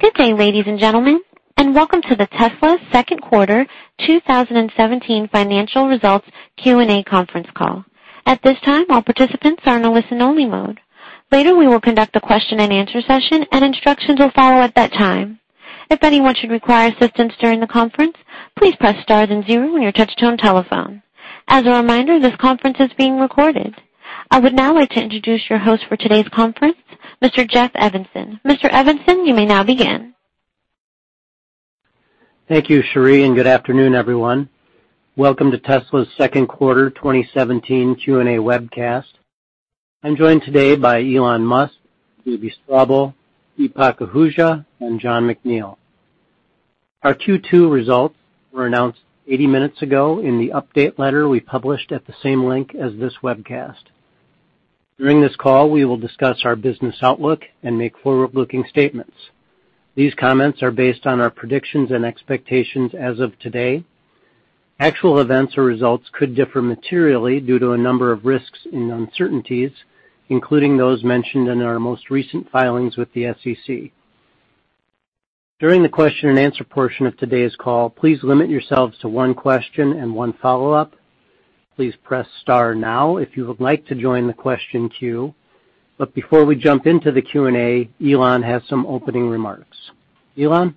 Good day, ladies and gentlemen, and welcome to the Tesla Second Quarter 2017 Financial Results Q&A conference call. At this time, all participants are in a listen only mode. Later, we will conduct a question-and-answer session, and instructions will follow at that time. If anyone should require assistance during the conference, please press star then zero on your touchtone telephone. As a reminder, this conference is being recorded. I would now like to introduce your host for today's conference, Mr. Jeff Evanson. Mr. Evanson, you may now begin. Thank you, Cherie. Good afternoon, everyone. Welcome to Tesla's second quarter 2017 Q&A webcast. I'm joined today by Elon Musk, J.B. Straubel, Deepak Ahuja and Jon McNeill. Our Q2 results were announced 80 minutes ago in the update letter we published at the same link as this webcast. During this call, we will discuss our business outlook and make forward-looking statements. These comments are based on our predictions and expectations as of today. Actual events or results could differ materially due to a number of risks and uncertainties, including those mentioned in our most recent filings with the SEC. During the question-and-answer portion of today's call, please limit yourselves to one question and one follow-up. Please press star now if you would like to join the question queue. Before we jump into the Q&A, Elon has some opening remarks. Elon?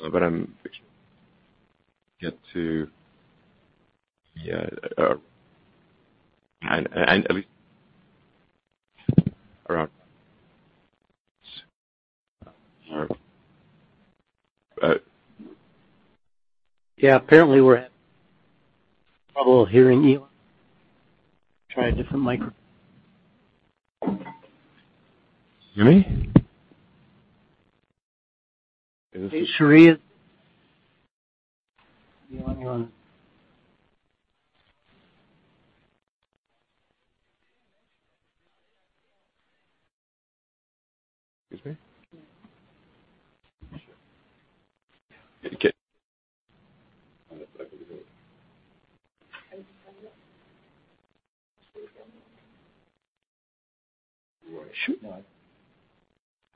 Yeah. Apparently, we're having trouble hearing Elon. Try a different micro-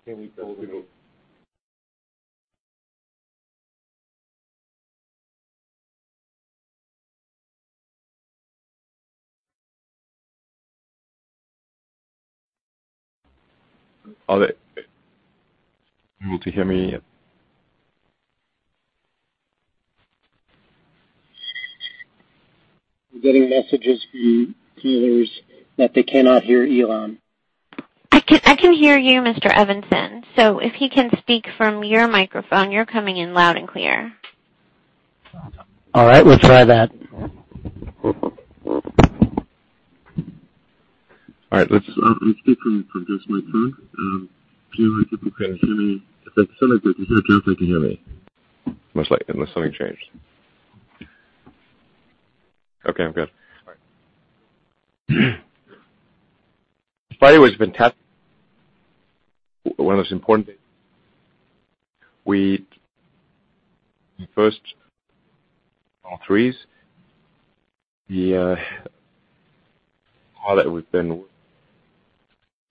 Can you hear me? Hey, Cherie Excuse me? Yeah. We're getting messages from listeners that they cannot hear Elon. I can hear you, Mr. Evanson. If he can speak from your microphone, you're coming in loud and clear. All right, we'll try that. Restart the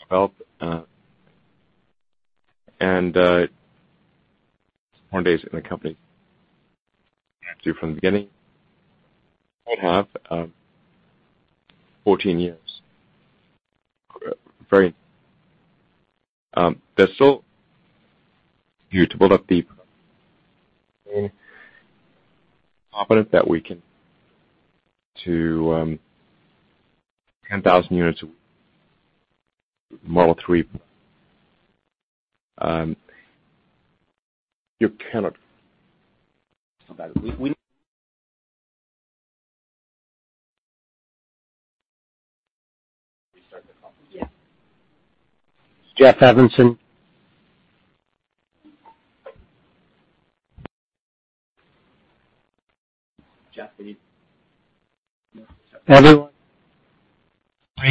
conference. Jeff Evanson.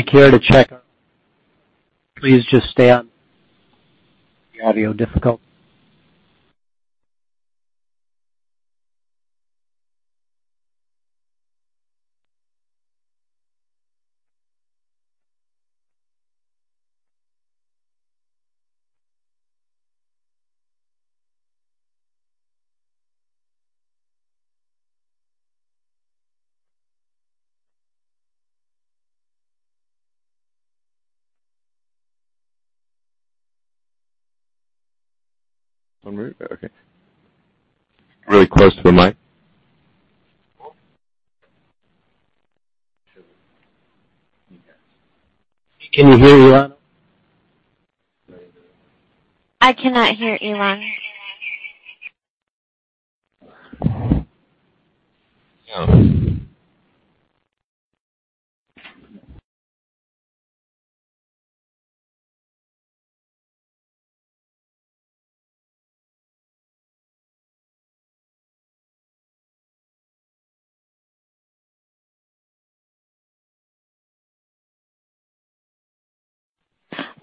Jeff, On mute? Okay. Really close to the mic. Can you hear Elon? I cannot hear Elon.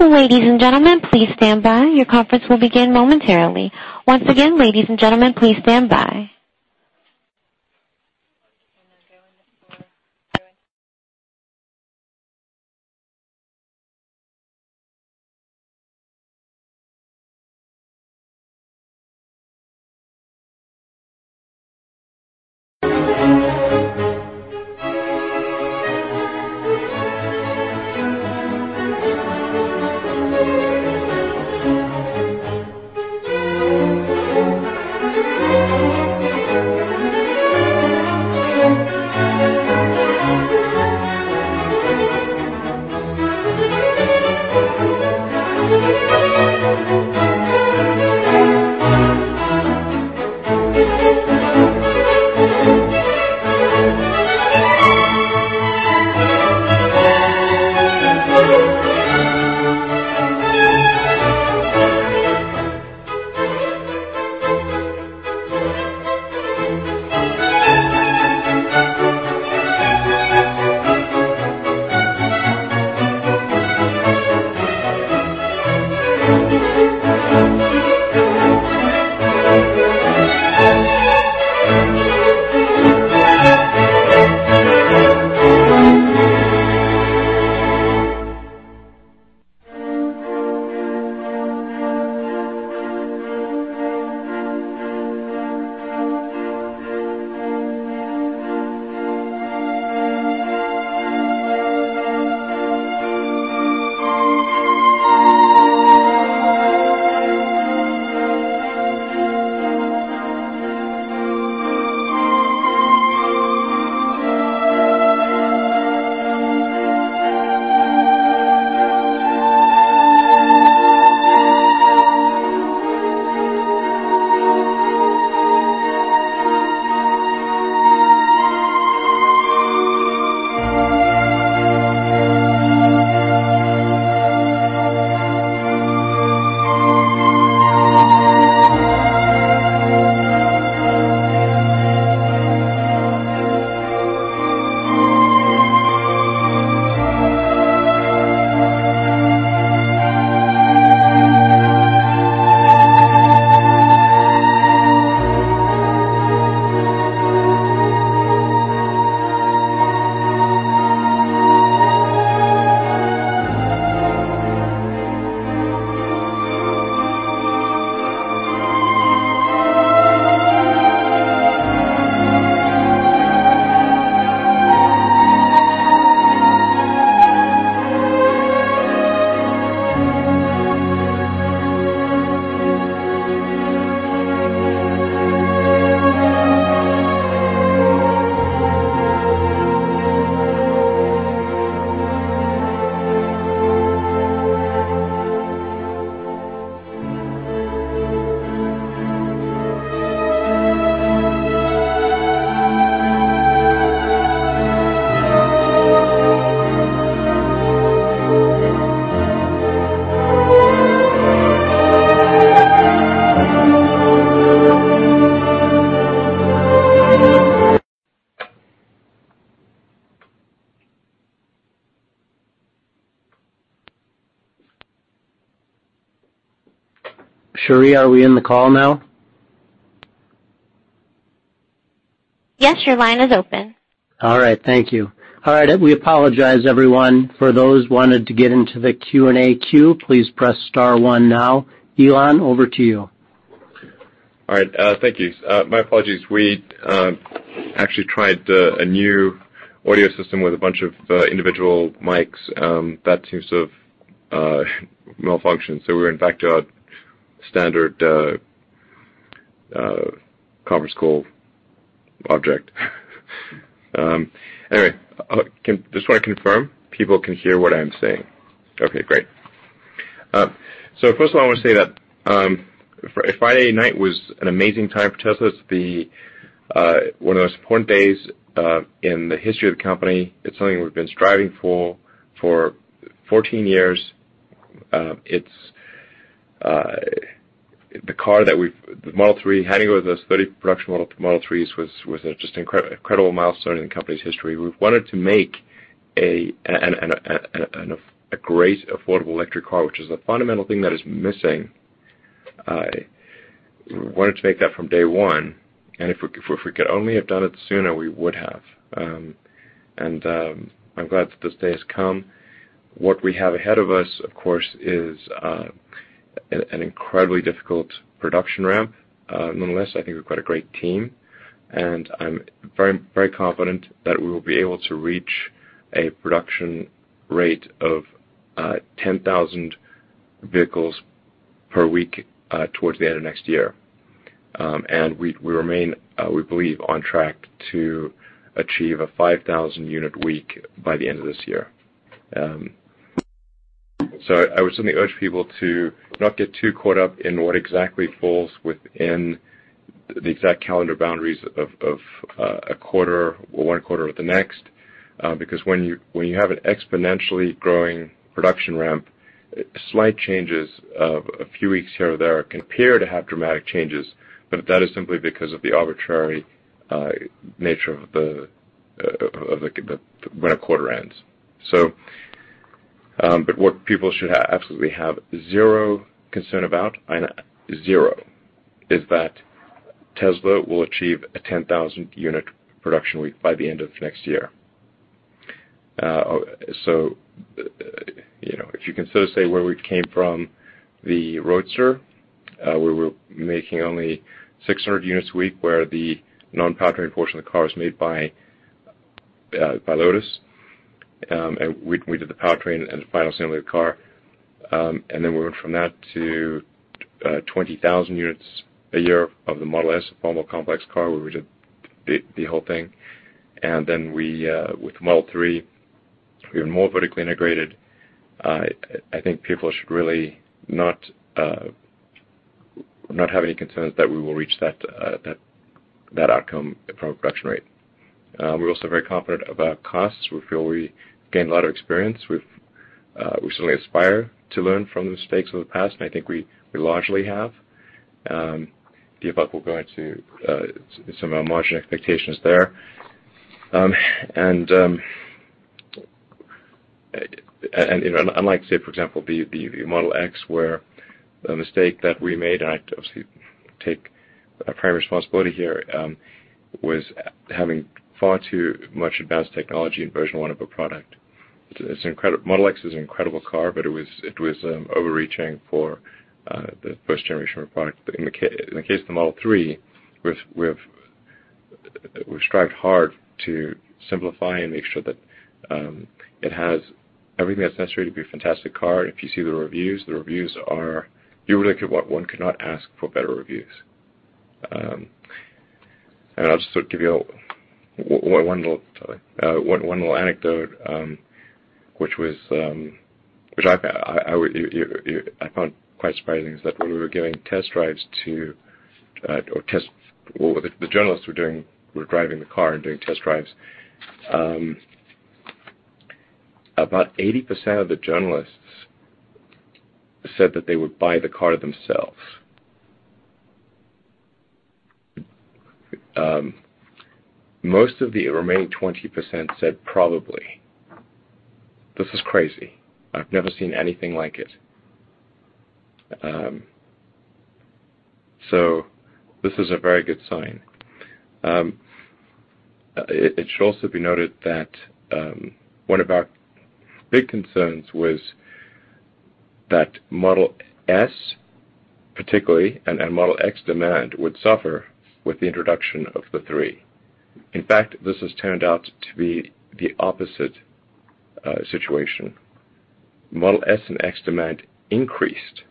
Ladies and gentlemen, please stand by. Your conference will begin momentarily. Once again, ladies and gentlemen, please stand by. Cherie, are we in the call now? Yes, your line is open. All right, thank you. All right, we apologize everyone. For those who wanted to get into the Q&A queue, please press star one now. Elon, over to you. All right, thank you. My apologies. We actually tried a new audio system with a bunch of individual mics that seems to have malfunctioned. We're in fact standard conference call object. Anyway, I just wanna confirm people can hear what I'm saying. Okay, great. First of all, I wanna say that Friday night was an amazing time for Tesla. It's the one of those important days in the history of the company. It's something we've been striving for for 14 years. It's the Model 3, having over those 30 production Model 3s was just incredible milestone in the company's history. We've wanted to make a great affordable electric car, which is the fundamental thing that is missing. We wanted to make that from day one, and if we, if we could only have done it sooner, we would have. I'm glad that this day has come. What we have ahead of us, of course, is an incredibly difficult production ramp. Nonetheless, I think we've got a great team, and I'm very confident that we will be able to reach a production rate of 10,000 vehicles per week towards the end of next year. We remain, we believe on track to achieve a 5,000 unit week by the end of this year. I would certainly urge people to not get too caught up in what exactly falls within the exact calendar boundaries of a quarter or one quarter with the next. Because when you have an exponentially growing production ramp, slight changes of a few weeks here or there can appear to have dramatic changes, but that is simply because of the arbitrary nature of the when a quarter ends. What people should absolutely have zero concern about, I mean zero, is that Tesla will achieve a 10,000 unit production week by the end of next year. You know, if you can sort of say where we came from, the Roadster, we were making only 600 units a week, where the non-powertrain portion of the car was made by Lotus. We did the powertrain and final assembly of the car. We went from that to 20,000 units a year of the Model S, a far more complex car, where we did the whole thing. With Model 3, we are more vertically integrated. I think people should really not have any concerns that we will reach that outcome from a production rate. We're also very confident about costs. We feel we gained a lot of experience. We've certainly aspire to learn from the mistakes of the past, and I think we largely have. Deepak will go into some of our margin expectations there. You know, unlike, say, for example, the Model X, where a mistake that we made, and I obviously take a primary responsibility here, was having far too much advanced technology in version one of a product. Model X is an incredible car, but it was overreaching for the first generation of our product. In the case of the Model 3, we've strived hard to simplify and make sure that it has everything that's necessary to be a fantastic car. If you see the reviews, the reviews are, one could not ask for better reviews. I'll just give you one little anecdote, which I found quite surprising, is that when the journalists were driving the car and doing test drives, about 80% of the journalists said that they would buy the car themselves. Most of the remaining 20% said probably. This is crazy. I've never seen anything like it. This is a very good sign. It should also be noted that one of our big concerns was that Model S particularly and Model X demand would suffer with the introduction of the three. In fact, this has turned out to be the opposite situation. Model S and X demand increased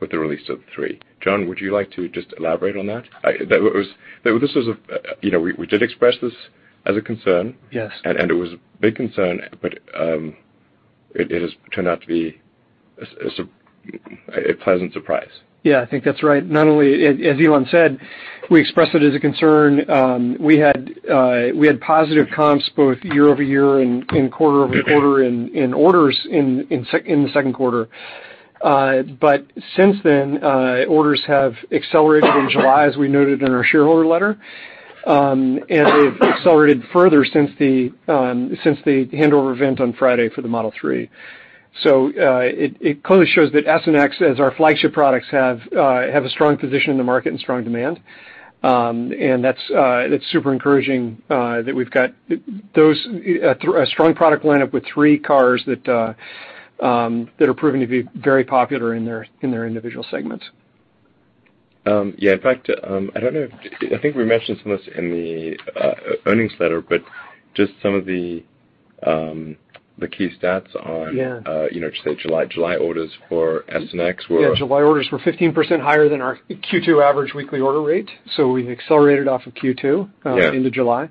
with the release of the Model 3. Jon, would you like to just elaborate on that? That was, this was a, you know, we did express this as a concern. Yes. It was a big concern, but it has turned out to be a pleasant surprise. Yeah, I think that's right. Not only, as Elon said, we expressed it as a concern. We had positive comps both year-over-year and quarter-over-quarter in orders in the second quarter. Since then, orders have accelerated in July, as we noted in our shareholder letter. They've accelerated further since the handover event on Friday for the Model 3. It clearly shows that S and X, as our flagship products, have a strong position in the market and strong demand. That's super encouraging that we've got those, a strong product lineup with three cars that are proving to be very popular in their individual segments. Yeah. In fact, I don't know if I think we mentioned some of this in the earnings letter, but just some of the key stats. Yeah. You know, say July. July orders for S and X. Yeah, July orders were 15% higher than our Q2 average weekly order rate. We've accelerated off of Q2. Yeah. Into July.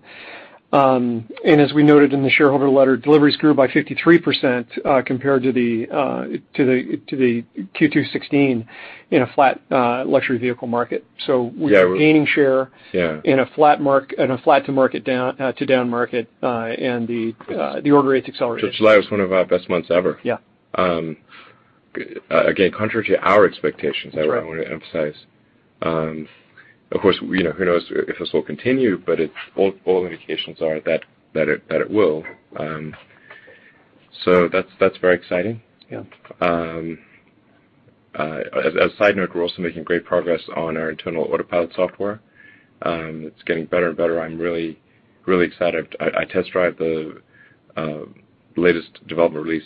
As we noted in the shareholder letter, deliveries grew by 53% compared to the Q2 2016 in a flat luxury vehicle market. Yeah. Gaining share Yeah. In a flat to market down, to down market. The order rates accelerated. July was one of our best months ever. Yeah. Again, contrary to our expectations That's right. I wanna emphasize. Of course, you know, who knows if this will continue, but all indications are that it will. That's very exciting. Yeah. As a side note, we're also making great progress on our internal Autopilot software. It's getting better and better. I'm really excited. I test drive the latest development release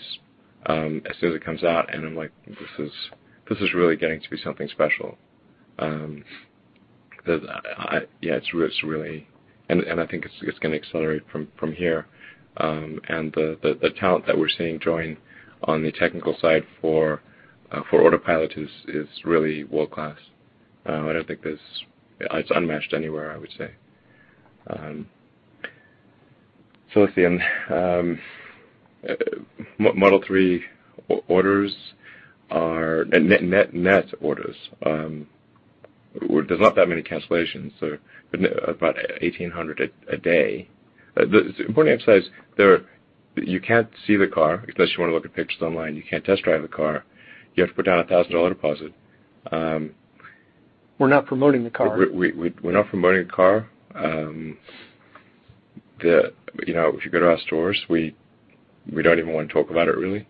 as soon as it comes out, and I'm like, "This is really getting to be something special." 'Cause I, yeah, it's really I think it's gonna accelerate from here. The talent that we're seeing join on the technical side for Autopilot is really world-class. I don't think it's unmatched anywhere, I would say. Let's see. Model 3 orders are net orders. There's not that many cancellations. There are about 1,800 a day. It's important to emphasize. You can't see the car, unless you wanna look at pictures online. You can't test drive the car. You have to put down a $1,000 deposit. We're not promoting the car. We're not promoting the car. The, you know, if you go to our stores, we don't even wanna talk about it really.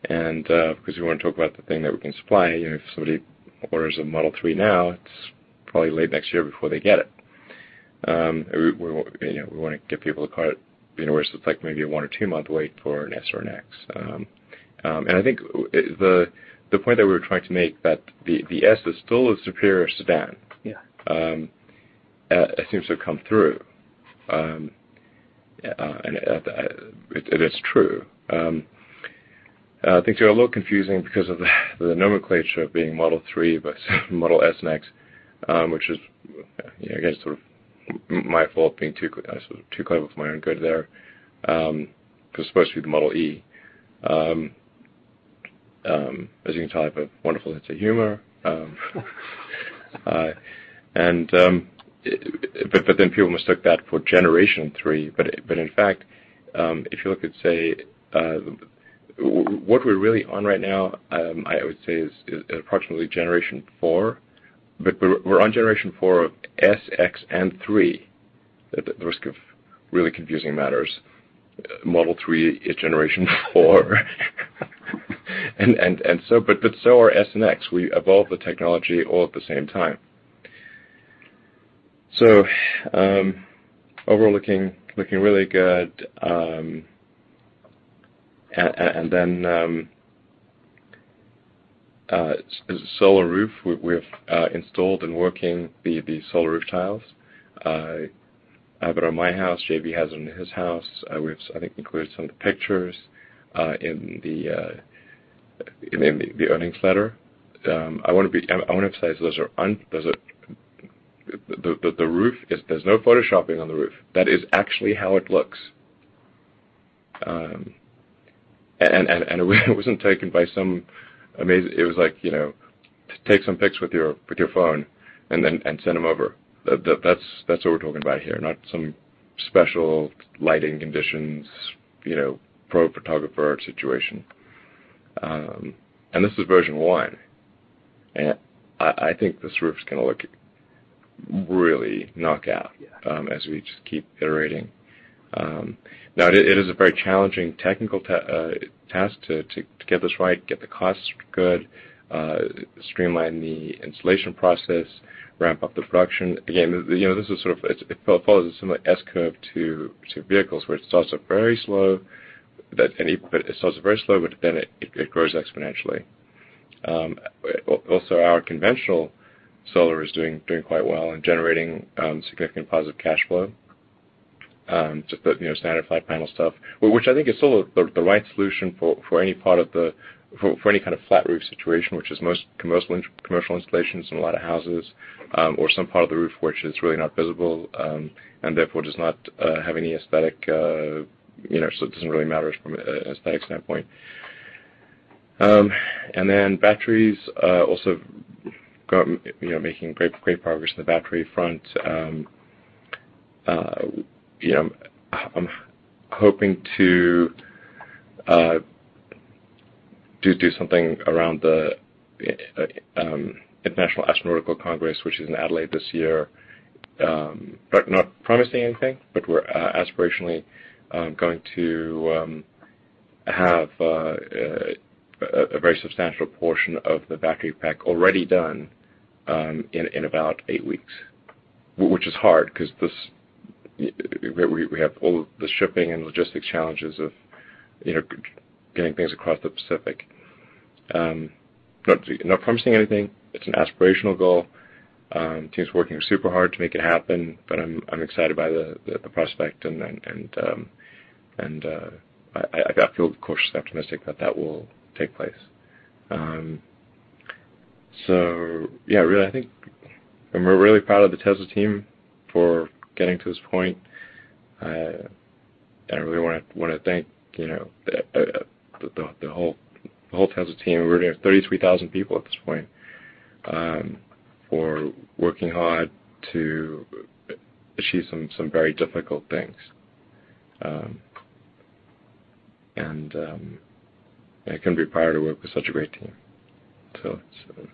Because we wanna talk about the thing that we can supply. You know, if somebody orders a Model 3 now, it's probably late next year before they get it. We, you know, we wanna get people to call it, you know, where it's just like maybe a one or two-month wait for an S or an X. I think the point that we were trying to make that the S is still a superior sedan. Yeah It seems to have come through. It is true. Things are a little confusing because of the nomenclature being Model 3 but Model S and X, you know, I guess sort of my fault being too clever for my own good there, because it's supposed to be the Model E. As you can tell, I have a wonderful sense of humor. Then people mistook that for generation 3. In fact, if you look at what we're really on right now, I would say is approximately generation 4, but we're on generation 4 of S, X, and 3. At the risk of really confusing matters, Model 3 is generation 4. Are S and X. We evolved the technology all at the same time. Overall looking really good. And then, Solar Roof we have installed and working, the Solar Roof tiles. I have it on my house. J.B. has it on his house. We've I think included some pictures in the earnings letter. I wanna emphasize, The roof is There's no Photoshopping on the roof. That is actually how it looks. It wasn't taken by some amazing. It was like, you know, 'Take some pics with your phone and then send them over.' That's what we're talking about here, not some special lighting conditions, you know, pro photographer situation. This is version one. I think this roof's gonna look really knockout. Yeah As we just keep iterating. Now it is a very challenging technical task to get this right, get the costs good, streamline the installation process, ramp up the production. Again, you know, this is sort of It follows a similar S-curve to vehicles, where it starts off very slow, but then it grows exponentially. Also our conventional solar is doing quite well and generating significant positive cash flow, just the, you know, standard flat panel stuff. Well, which I think is still the right solution for any kind of flat roof situation, which is most commercial installations in a lot of houses, or some part of the roof which is really not visible, and therefore does not have any aesthetic, you know, so it doesn't really matter from a aesthetic standpoint. Batteries, you know, making great progress on the battery front. You know, I'm hoping to do something around the International Astronautical Congress, which is in Adelaide this year. Not promising anything, we're aspirationally going to have a very substantial portion of the battery pack already done in about eight weeks. Which is hard, 'cause this You know, we have all the shipping and logistics challenges of, you know, getting things across the Pacific. Not promising anything. It's an aspirational goal. Team's working super hard to make it happen, but I'm excited by the prospect and I feel cautiously optimistic that that will take place. Yeah, really, I think, we're really proud of the Tesla team for getting to this point. We wanna thank, you know, the whole Tesla team, we're near 33,000 people at this point, for working hard to achieve some very difficult things. I couldn't be prouder to work with such a great team. It's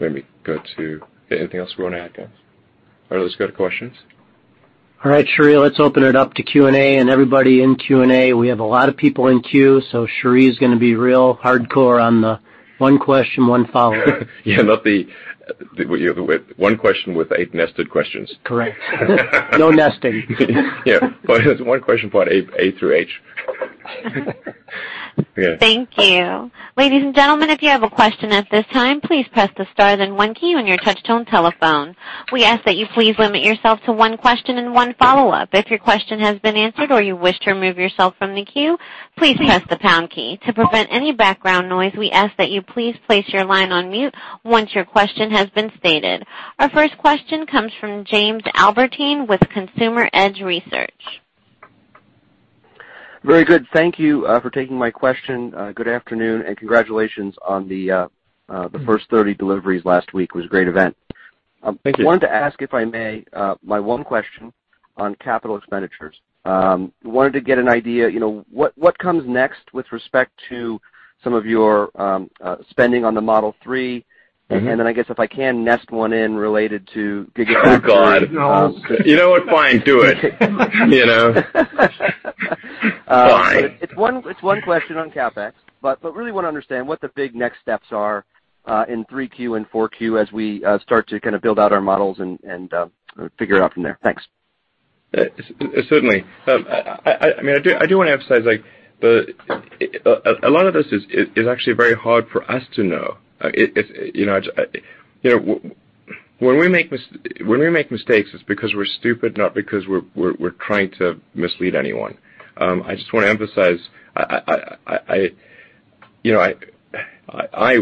Maybe go to Anything else we wanna add, guys? All right, let's go to questions. All right, Cherie, let's open it up to Q&A, and everybody in Q&A, we have a lot of people in queue, so Cherie's gonna be real hardcore on the one question, one follow-up. Yeah. Yeah, not the, where one question with eight nested questions. Correct. No nesting. Yeah. One question point A through H. Thank you. Ladies and gentlemen, if you have a question at this time, please press the star then one key on your touchtone telephone. We ask that you please limit yourself to one question and one follow-up. If your question has been answered or you wish to remove yourself from the queue, please press the pound key. To prevent any background noise, we ask that you please place your line on mute once your question has been stated. Our first question comes from James Albertine with Consumer Edge Research. Very good. Thank you, for taking my question. Good afternoon, and congratulations on the first 30 deliveries last week. It was a great event. Thank you. I wanted to ask, if I may, my one question on capital expenditures. I wanted to get an idea, you know, what comes next with respect to some of your spending on the Model 3? I guess if I can nest one in related to Gigafactory. Oh, God. You know what? Fine, do it. You know? Fine. It's one question on CapEx. Really want to understand what the big next steps are, in 3Q and 4Q as we start to kinda build out our models and figure it out from there. Thanks. Certainly. I mean, I do want to emphasize, like a lot of this is actually very hard for us to know. You know, when we make mistakes, it's because we're stupid, not because we're trying to mislead anyone. I just want to emphasize, you know,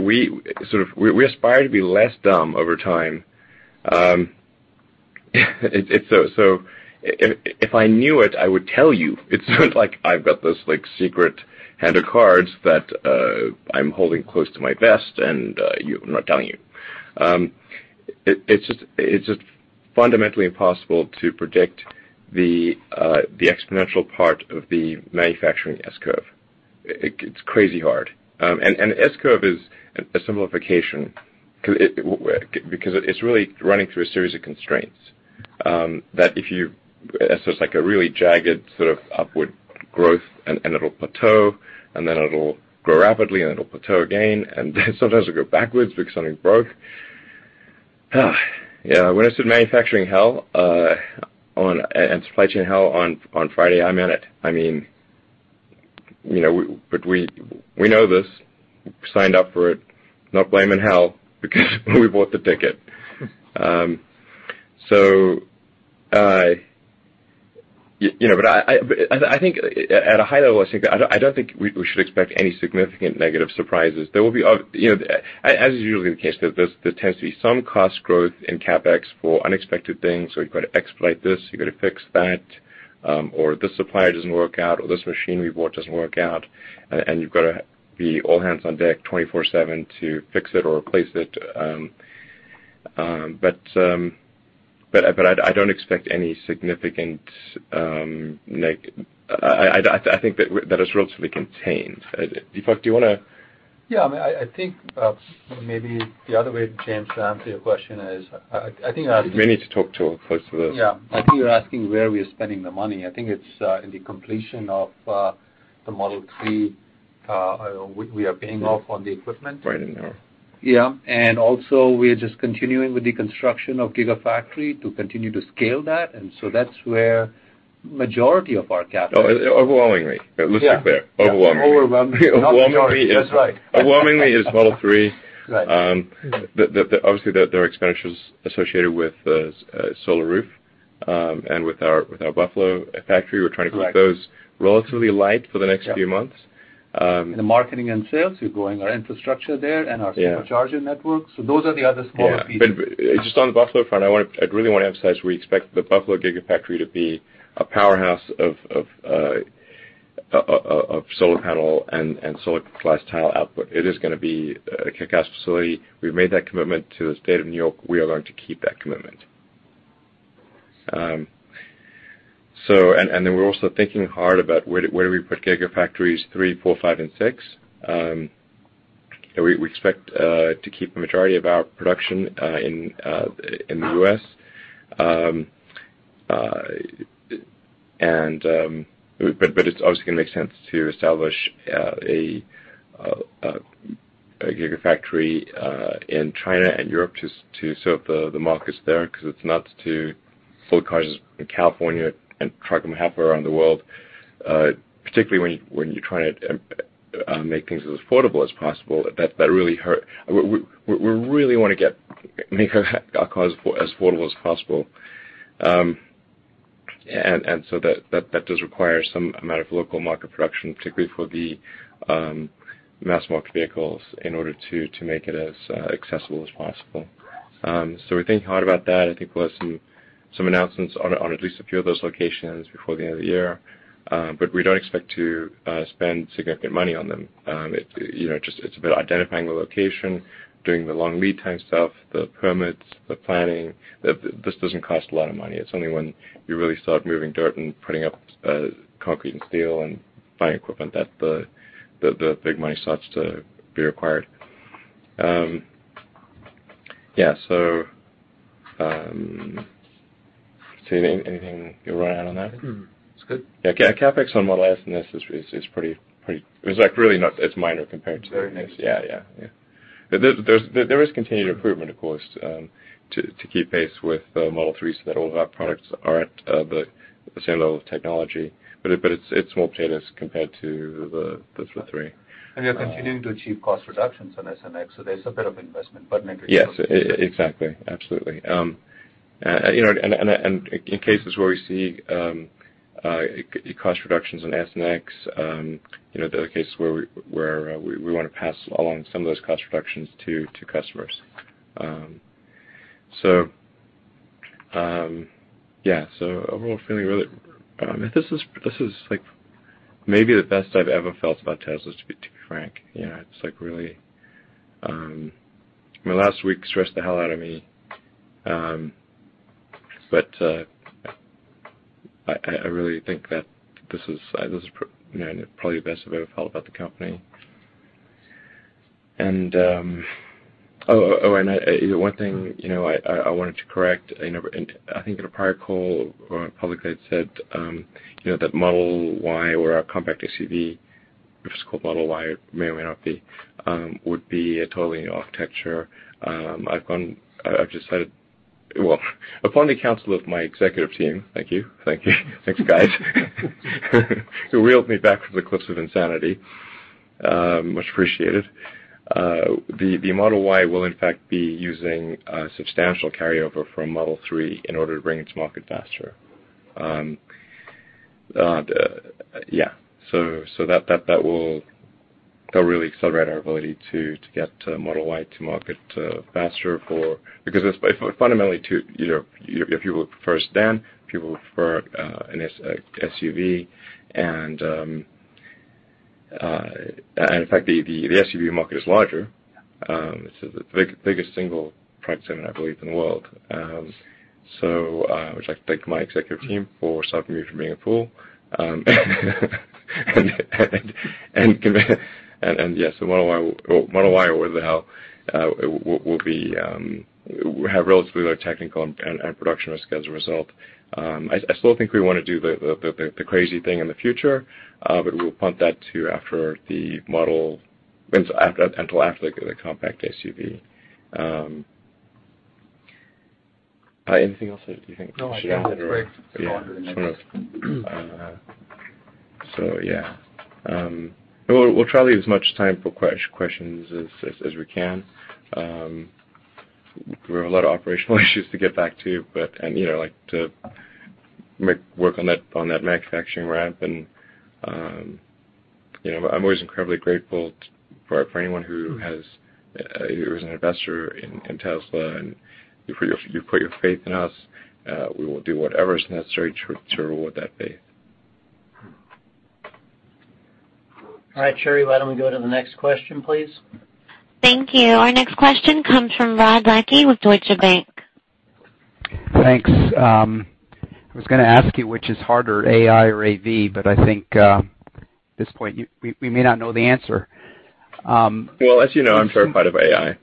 we sort of aspire to be less dumb over time. So if I knew it, I would tell you. It's not like I've got this like secret hand of cards that I'm holding close to my vest and you, I'm not telling you. It's just fundamentally impossible to predict the exponential part of the manufacturing S-curve. It's crazy hard. The S-curve is a simplification, because it's really running through a series of constraints. It's just like a really jagged sort of upward growth, and it'll plateau, and then it'll grow rapidly, and it'll plateau again, and then sometimes it'll go backwards because something's broke. Yeah, when I said manufacturing hell and supply chain hell on Friday, I meant it. I mean, you know, we know this. Signed up for it. Not blaming hell because we bought the ticket. You know, I think at a high level, I think, I don't think we should expect any significant negative surprises. There will be You know, as is usually the case, there tends to be some cost growth in CapEx for unexpected things. You've got to expedite this, you've got to fix that, or this supplier doesn't work out, or this machinery we bought doesn't work out, and you've gotta be all hands on deck 24/7 to fix it or replace it. I don't expect any significant I think that it's relatively contained. Deepak, do you wanna? Yeah, I think, maybe the other way, James, to answer your question. We may need to talk to folks for this. Yeah. I think you're asking where we are spending the money. I think it's in the completion of the Model 3. We are paying off on the equipment. Right in there. Yeah. We're just continuing with the construction of Gigafactory to continue to scale that. That's where majority of our CapEx. Oh, overwhelmingly. Let's be clear. Yeah. Overwhelmingly. Overwhelmingly is-. That's right. Overwhelmingly is Model 3. Right. Obviously, there are expenditures associated with Solar Roof and with our Buffalo factory. Right keep those relatively light for the next few months. The marketing and sales, we're growing our infrastructure there. Yeah Supercharger network, so those are the other smaller pieces. Just on the Buffalo front, I wanna, I really wanna emphasize we expect the Buffalo Gigafactory to be a powerhouse of solar panel and solar glass tile output. It is gonna be a kickass facility. We've made that commitment to the State of New York. We are going to keep that commitment. We're also thinking hard about where do we put Gigafactories three, four, five, and six. We expect to keep the majority of our production in the U.S. It's obviously gonna make sense to establish a Gigafactory in China and Europe to serve the markets there, 'cause it's nuts to sell cars in California and truck them halfway around the world. Particularly when you're trying to make things as affordable as possible, that really hurt. We really wanna make our cars as affordable as possible. That does require some amount of local market production, particularly for the mass market vehicles in order to make it as accessible as possible. We're thinking hard about that. I think we'll have some announcements on at least a few of those locations before the end of the year, but we don't expect to spend significant money on them. It, you know, just it's about identifying the location, doing the long lead time stuff, the permits, the planning. This doesn't cost a lot of money. It's only when you really start moving dirt and putting up, concrete and steel and buying equipment that the big money starts to be required. Yeah, anything you wanna add on that? It's good. Yeah. CapEx on Model S and X is pretty. It's like really not, it's minor. Very minor. Yeah, yeah. There's continued improvement, of course, to keep pace with the Model 3s so that all of our products aren't the same level of technology. It's more painless compared to the Model 3. You're continuing to achieve cost reductions on S and X, so there's a bit of investment. Yes. Exactly. Absolutely. You know, in cases where we see cost reductions in S and X, you know, there are cases where we wanna pass along some of those cost reductions to customers. Overall feeling really. This is, like, maybe the best I've ever felt about Tesla, to be frank. You know, it's, like, really, I mean, last week stressed the hell out of me. I really think that this is, you know, probably the best I've ever felt about the company. Oh, you know, one thing, you know, I wanted to correct. You know, in I think in a prior call, publicly I'd said, you know, that Model Y or our compact SUV, if it's called Model Y, it may or may not be, would be a totally new architecture. I've gone, I've decided Well, upon the counsel of my executive team, thank you. Thank you. Thanks, guys, who reeled me back from the cliffs of insanity, much appreciated. The Model Y will in fact be using, substantial carryover from Model 3 in order to bring it to market faster. Yeah, so that'll really accelerate our ability to get Model Y to market faster. Because it's fundamentally to, you know, if people prefer a sedan, people prefer an SUV, and in fact, the SUV market is larger. It's the biggest single product segment, I believe, in the world. I would like to thank my executive team for stopping me from being a fool. Yes, the Model Y or whatever the hell will be have relatively low technical and production risk as a result. I still think we wanna do the crazy thing in the future, but we'll punt that till after the model until after the compact SUV. Anything else that you think we should add or? Yeah. Just wanna yeah. We'll try to leave as much time for questions as we can. We have a lot of operational issues to get back to, but, and, you know, like to make work on that manufacturing ramp and, you know, I'm always incredibly grateful for anyone who has who is an investor in Tesla, and you put your faith in us. We will do whatever is necessary to reward that faith. All right, Cherie, why don't we go to the next question, please? Thank you. Our next question comes from Rod Lache with Deutsche Bank. Thanks. I was gonna ask you which is harder, AI or AV, but I think, at this point we may not know the answer. Well, as you know, I'm terrified of AI.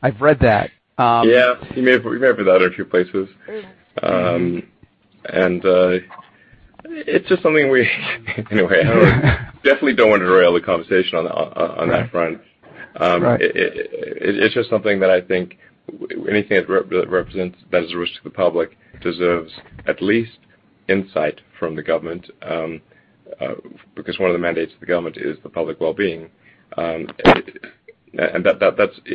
I've read that. Yeah. You may have read that a few places. it's just something. I don't Definitely don't wanna derail the conversation on that front. Right. It's just something that I think anything that represents potential risk to the public deserves at least insight from the government because one of the mandates of the government is the public well-being. That's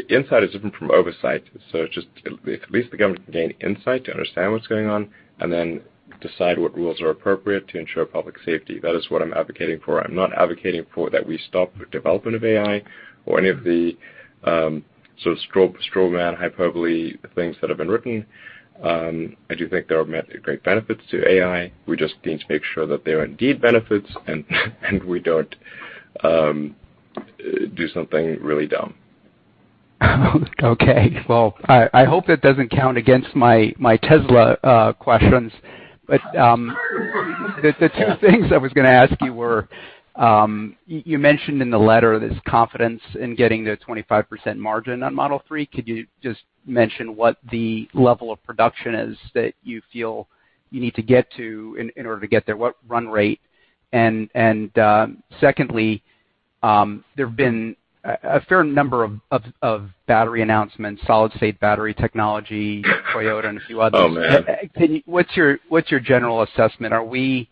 Insight is different from oversight, so it's just at least the government can gain insight to understand what's going on and then decide what rules are appropriate to ensure public safety. That is what I'm advocating for. I'm not advocating for that we stop development of AI or any of the sort of straw man hyperbole things that have been written. I do think there are great benefits to AI. We just need to make sure that they are indeed benefits and we don't do something really dumb. Okay. Well, I hope that doesn't count against my Tesla questions. The two things I was gonna ask you were, you mentioned in the letter this confidence in getting the 25% margin on Model 3. Could you just mention what the level of production is that you feel you need to get to in order to get there? What run rate? Secondly, there've been a fair number of battery announcements, solid state battery technology, Toyota and a few others. Oh, man. What's your general assessment? Are we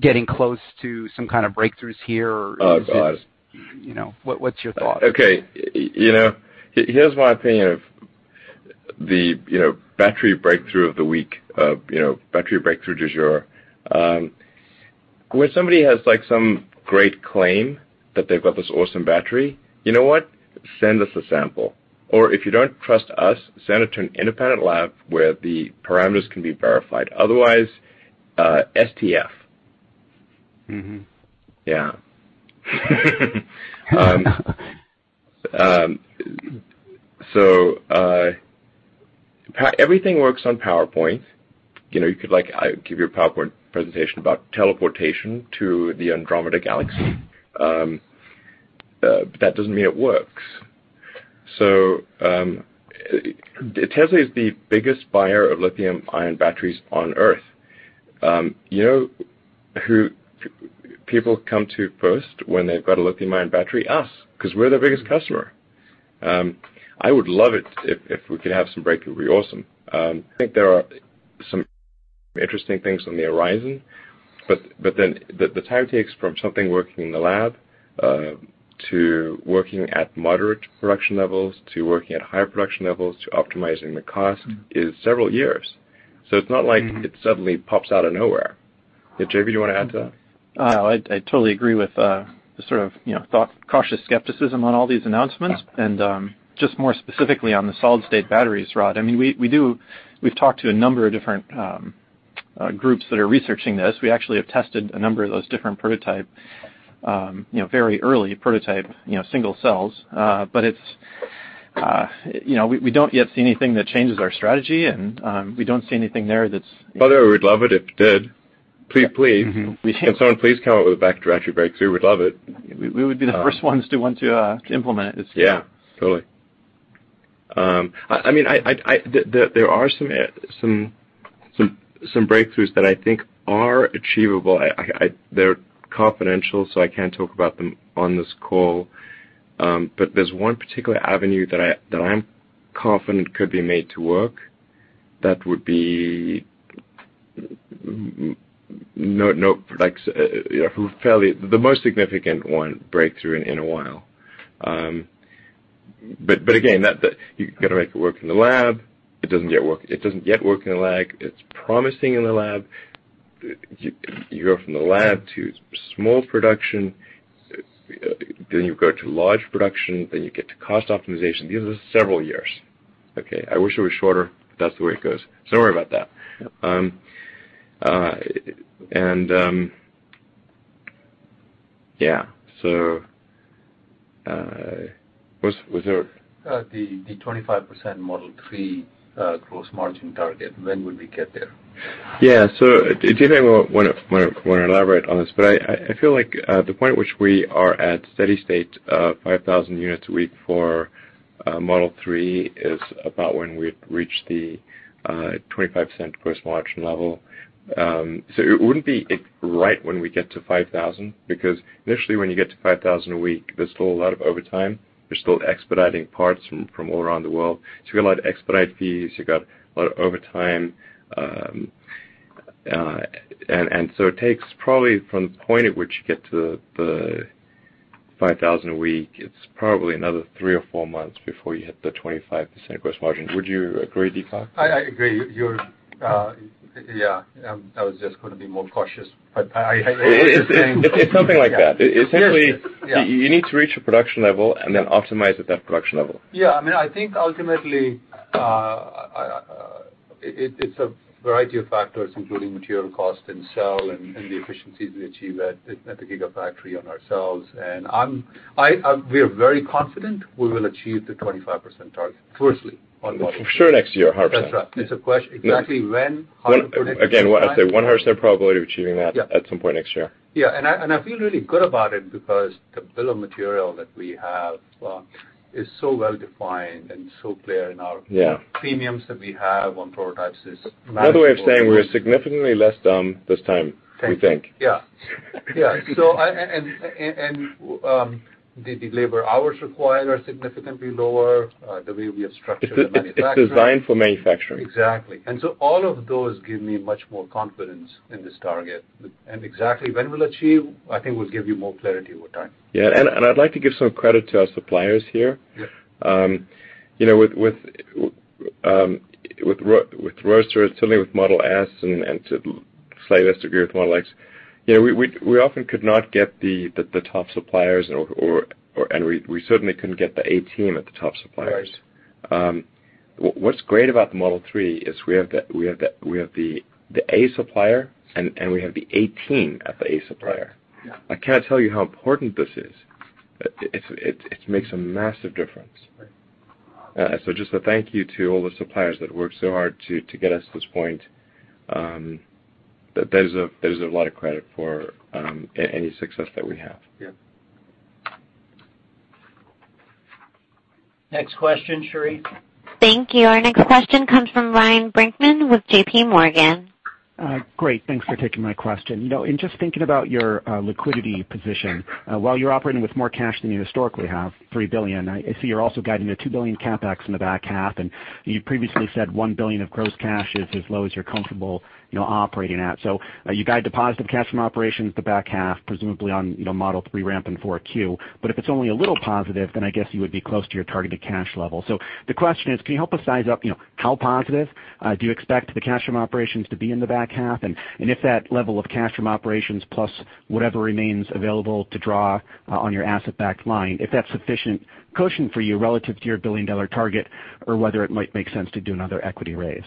getting close to some kind of breakthroughs here? Oh, God. You know, what's your thought? Okay. You know, here's my opinion of the, you know, battery breakthrough of the week of, you know, battery breakthrough du jour. When somebody has, like, some great claim that they've got this awesome battery, you know what? Send us a sample. If you don't trust us, send it to an independent lab where the parameters can be verified. Otherwise, STF. Yeah. Everything works on PowerPoint. You know, you could, like, I give you a PowerPoint presentation about teleportation to the Andromeda galaxy, that doesn't mean it works. Tesla is the biggest buyer of lithium-ion batteries on Earth. You know who people come to first when they've got a lithium-ion battery? Us, 'cause we're their biggest customer. I would love it if we could have some breakthrough. It'd be awesome. I think there are some interesting things on the horizon, but then the time it takes from something working in the lab, to working at moderate production levels, to working at higher production levels, to optimizing the cost is several years. It suddenly pops out of nowhere. Yeah, J.B., do you wanna add to that? I totally agree with the sort of, you know, cautious skepticism on all these announcements. Yeah. Just more specifically on the solid state batteries, Rod. I mean, we've talked to a number of different groups that are researching this. We actually have tested a number of those different prototype, you know, very early prototype, you know, single cells. It's, you know, we don't yet see anything that changes our strategy and, we don't see anything there. By the way, we'd love it if it did. Please, please. Can someone please come up with a battery breakthrough? We'd love it. We would be the first ones to want to implement it. Yeah, totally. I mean, there are some breakthroughs that I think are achievable. They're confidential, so I can't talk about them on this call. There's one particular avenue that I'm confident could be made to work that would be no products, you know, fairly the most significant one breakthrough in a while. Again, you gotta make it work in the lab. It doesn't yet work in the lab. It's promising in the lab. You go from the lab to small production, you go to large production, you get to cost optimization. These are several years. Okay. I wish it were shorter, that's the way it goes. Sorry about that. Yeah. was there- The 25% Model 3 gross margin target, when would we get there? Yeah. Deepak may wanna elaborate on this, but I feel like the point at which we are at steady state of 5,000 units a week for Model 3 is about when we reach the 25% gross margin level. It wouldn't be it right when we get to 5,000, because initially when you get to 5,000 a week, there's still a lot of overtime. You're still expediting parts from all around the world. You got a lot of expedite fees. You got a lot of overtime. It takes probably from the point at which you get to the 5,000 a week, it's probably another three or four months before you hit the 25% gross margin. Would you agree, Deepak? I agree. Yeah, I was just gonna be more cautious, but I hear what you're saying. It's something like that. Yeah. Essentially- Yes. Yeah. You need to reach a production level. Yeah Optimize at that production level. Yeah. I mean, I think ultimately, it's a variety of factors, including material cost and cell and the efficiencies we achieve at the Gigafactory on our cells. I'm very confident we will achieve the 25% target firstly on Model 3. For sure next year, 100%. That's right. It's a question exactly when, how to predict the time. Again, I'd say 100% probability of achieving that. Yeah At some point next year. Yeah. I feel really good about it because the bill of material that we have is so well-defined and so clear in our- Yeah premiums that we have on prototypes is manageable. Another way of saying we're significantly less dumb this time. We think. Yeah. Yeah. The labor hours required are significantly lower, the way we have structured the manufacturing. It's designed for manufacturing. Exactly. All of those give me much more confidence in this target. Exactly when we'll achieve, I think we'll give you more clarity with time. Yeah. I'd like to give some credit to our suppliers here. Yeah. You know, with Roadster, certainly with Model S and to a slight lesser degree with Model X, you know, we often could not get the top suppliers or. We certainly couldn't get the A team at the top suppliers. Right. What's great about the Model 3 is we have the A supplier and we have the A team at the A supplier. Yeah. I can't tell you how important this is. It makes a massive difference. Right. Just a thank you to all the suppliers that worked so hard to get us to this point. There's a lot of credit for any success that we have. Yeah. Next question, Cherie. Thank you. Our next question comes from Ryan Brinkman with JPMorgan. Great. Thanks for taking my question. You know, in just thinking about your liquidity position, while you're operating with more cash than you historically have, $3 billion, I see you're also guiding the $2 billion CapEx in the back half, and you previously said $1 billion of gross cash is as low as you're comfortable, you know, operating at. You guide the positive cash from operations the back half, presumably on, you know, Model 3 ramp in 4Q. If it's only a little positive, then I guess you would be close to your targeted cash level. The question is, can you help us size up, you know, how positive do you expect the cash from operations to be in the back half? If that level of cash from operations plus whatever remains available to draw on your asset-backed line, if that's sufficient cushion for you relative to your billion-dollar target or whether it might make sense to do another equity raise.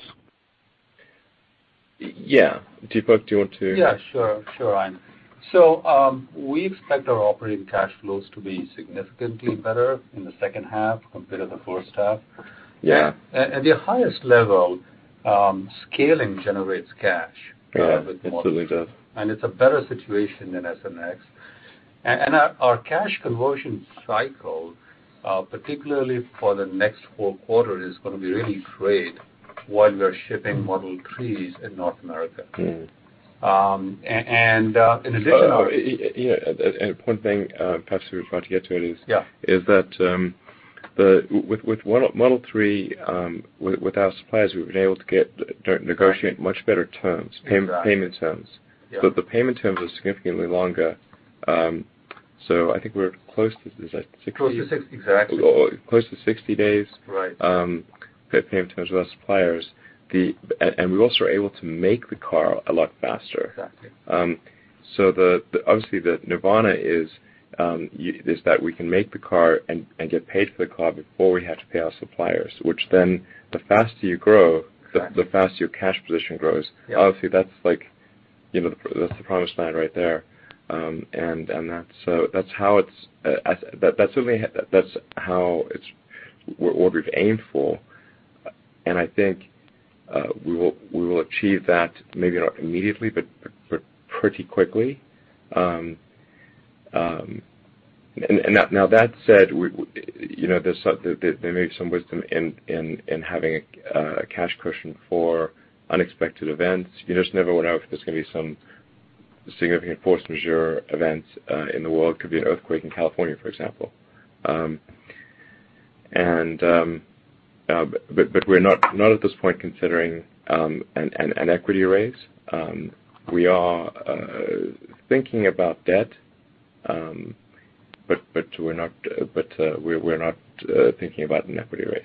Yeah. Deepak, do you want to- Yeah, sure. Sure, Elon. We expect our operating cash flows to be significantly better in the second half compared to the first half. Yeah. At the highest level, scaling generates cash. Yeah, absolutely does. It's a better situation than S and X. Our cash conversion cycle, particularly for the next 4 quarter is gonna be really great while we're shipping Model 3s in North America. Um, and, uh, in addition- Oh, yeah, one thing, perhaps we were about to get to it. Yeah Is that, with Model 3, with our suppliers, we've been able to negotiate much better terms. Exactly Payment terms. Yeah. The payment terms are significantly longer. I think we're close to, is that sixty- Close to 60, exactly. Close to 60 days. Right. Payment terms with our suppliers. We also are able to make the car a lot faster. Exactly. The, the obviously the nirvana is that we can make the car and get paid for the car before we have to pay our suppliers, which then the faster you grow. Correct the faster your cash position grows. Yeah. Obviously, that's like, you know, the, that's the promised land right there. Certainly, that's how it's what we've aimed for. I think we will achieve that maybe not immediately, but pretty quickly. Now that said, we, you know, there may be some wisdom in having a cash cushion for unexpected events. You just never know if there's gonna be some significant force majeure event in the world. Could be an earthquake in California, for example. We're not at this point considering an equity raise. We are thinking about debt, we're not thinking about an equity raise.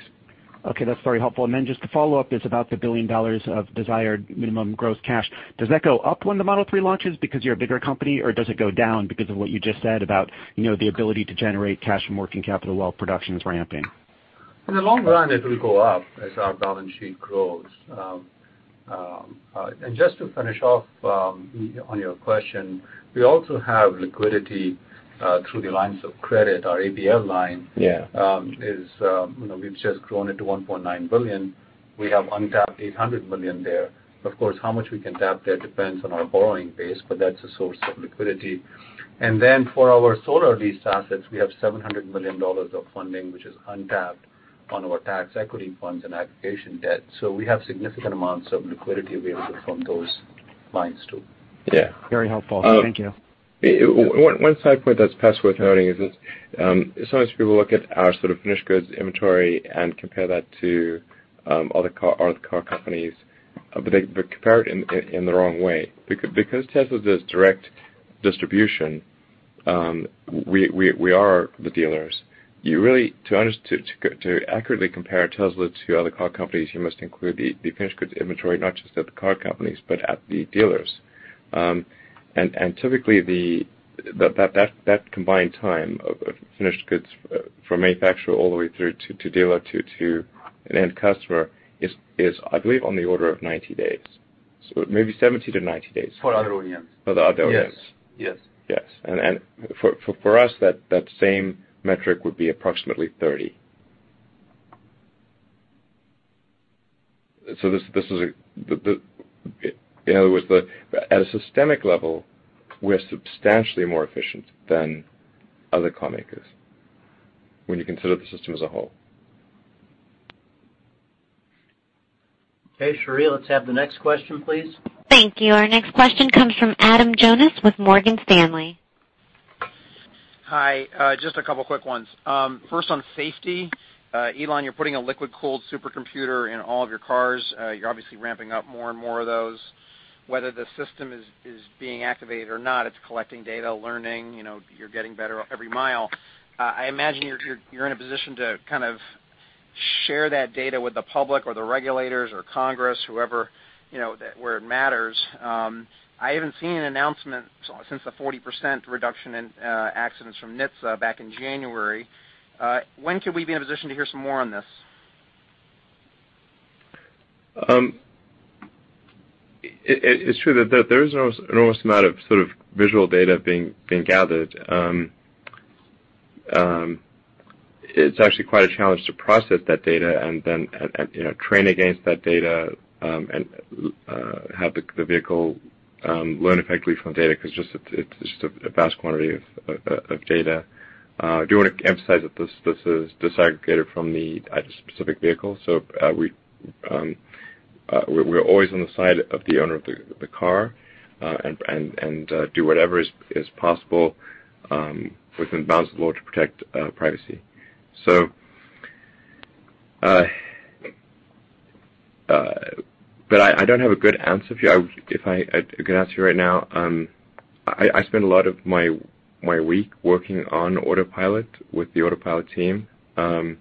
Okay, that's very helpful. Just to follow up is about the $1 billion of desired minimum gross cash. Does that go up when the Model 3 launches because you're a bigger company, or does it go down because of what you just said about, you know, the ability to generate cash from working capital while production's ramping? In the long run, it will go up as our balance sheet grows. Just to finish off on your question, we also have liquidity through the lines of credit. Our ABL line- Yeah Is, you know, we've just grown it to $1.9 billion. We have untapped $800 million there. Of course, how much we can tap there depends on our borrowing base, but that's a source of liquidity. For our solar lease assets, we have $700 million of funding, which is untapped on our tax equity funds and aggregation debt. We have significant amounts of liquidity available from those lines, too. Yeah. Very helpful. Thank you. One side point that's perhaps worth noting is, as long as people look at our sort of finished goods inventory and compare that to other car companies, but they compare it in the wrong way. Because Tesla does direct distribution, we are the dealers. You really, to accurately compare Tesla to other car companies, you must include the finished goods inventory, not just at the car companies, but at the dealers. And typically, the combined time of finished goods from manufacturer all the way through to dealer to an end customer is, I believe, on the order of 90 days. Maybe 70 to 90 days. For other OEMs. For the other OEMs. Yes. Yes. Yes. For us, that same metric would be approximately 30. In other words, at a systemic level, we're substantially more efficient than other car makers when you consider the system as a whole. Okay, Cherie, let's have the next question, please. Thank you. Our next question comes from Adam Jonas with Morgan Stanley. Hi, just a couple quick ones. First on safety. Elon, you're putting a liquid-cooled supercomputer in all of your cars. You're obviously ramping up more and more of those. Whether the system is being activated or not, it's collecting data, learning, you know, you're getting better every mile. I imagine you're in a position to kind of share that data with the public or the regulators or Congress, whoever, you know, that where it matters. I haven't seen an announcement since the 40% reduction in accidents from NHTSA back in January. When could we be in a position to hear some more on this? It's true that there is an enormous amount of sort of visual data being gathered. It's actually quite a challenge to process that data and then, you know, train against that data and have the vehicle learn effectively from data 'cause it's just a vast quantity of data. I do wanna emphasize that this is disaggregated from the specific vehicle. We're always on the side of the owner of the car and do whatever is possible within the bounds of the law to protect privacy. But I don't have a good answer for you. I would-- if I-- a good answer right now. I spend a lot of my week working on Autopilot with the Autopilot team, right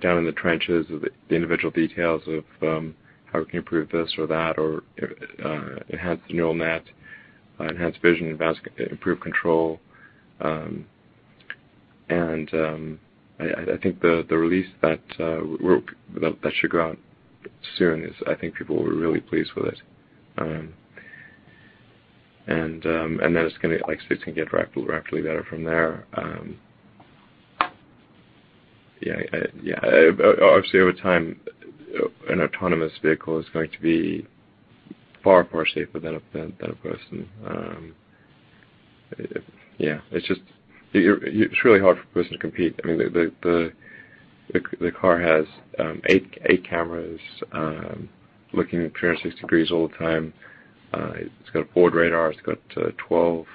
down in the trenches of the individual details of how we can improve this or that, or enhance the neural net, enhance vision, improve control. I think the release that should go out soon is I think people will be really pleased with it. Like, it's gonna get drastically better from there. Obviously over time, an autonomous vehicle is going to be far safer than a person. It's just It's really hard for a person to compete. I mean, the car has eight cameras, looking at 360 degrees all the time. It's got four radars. It's got 12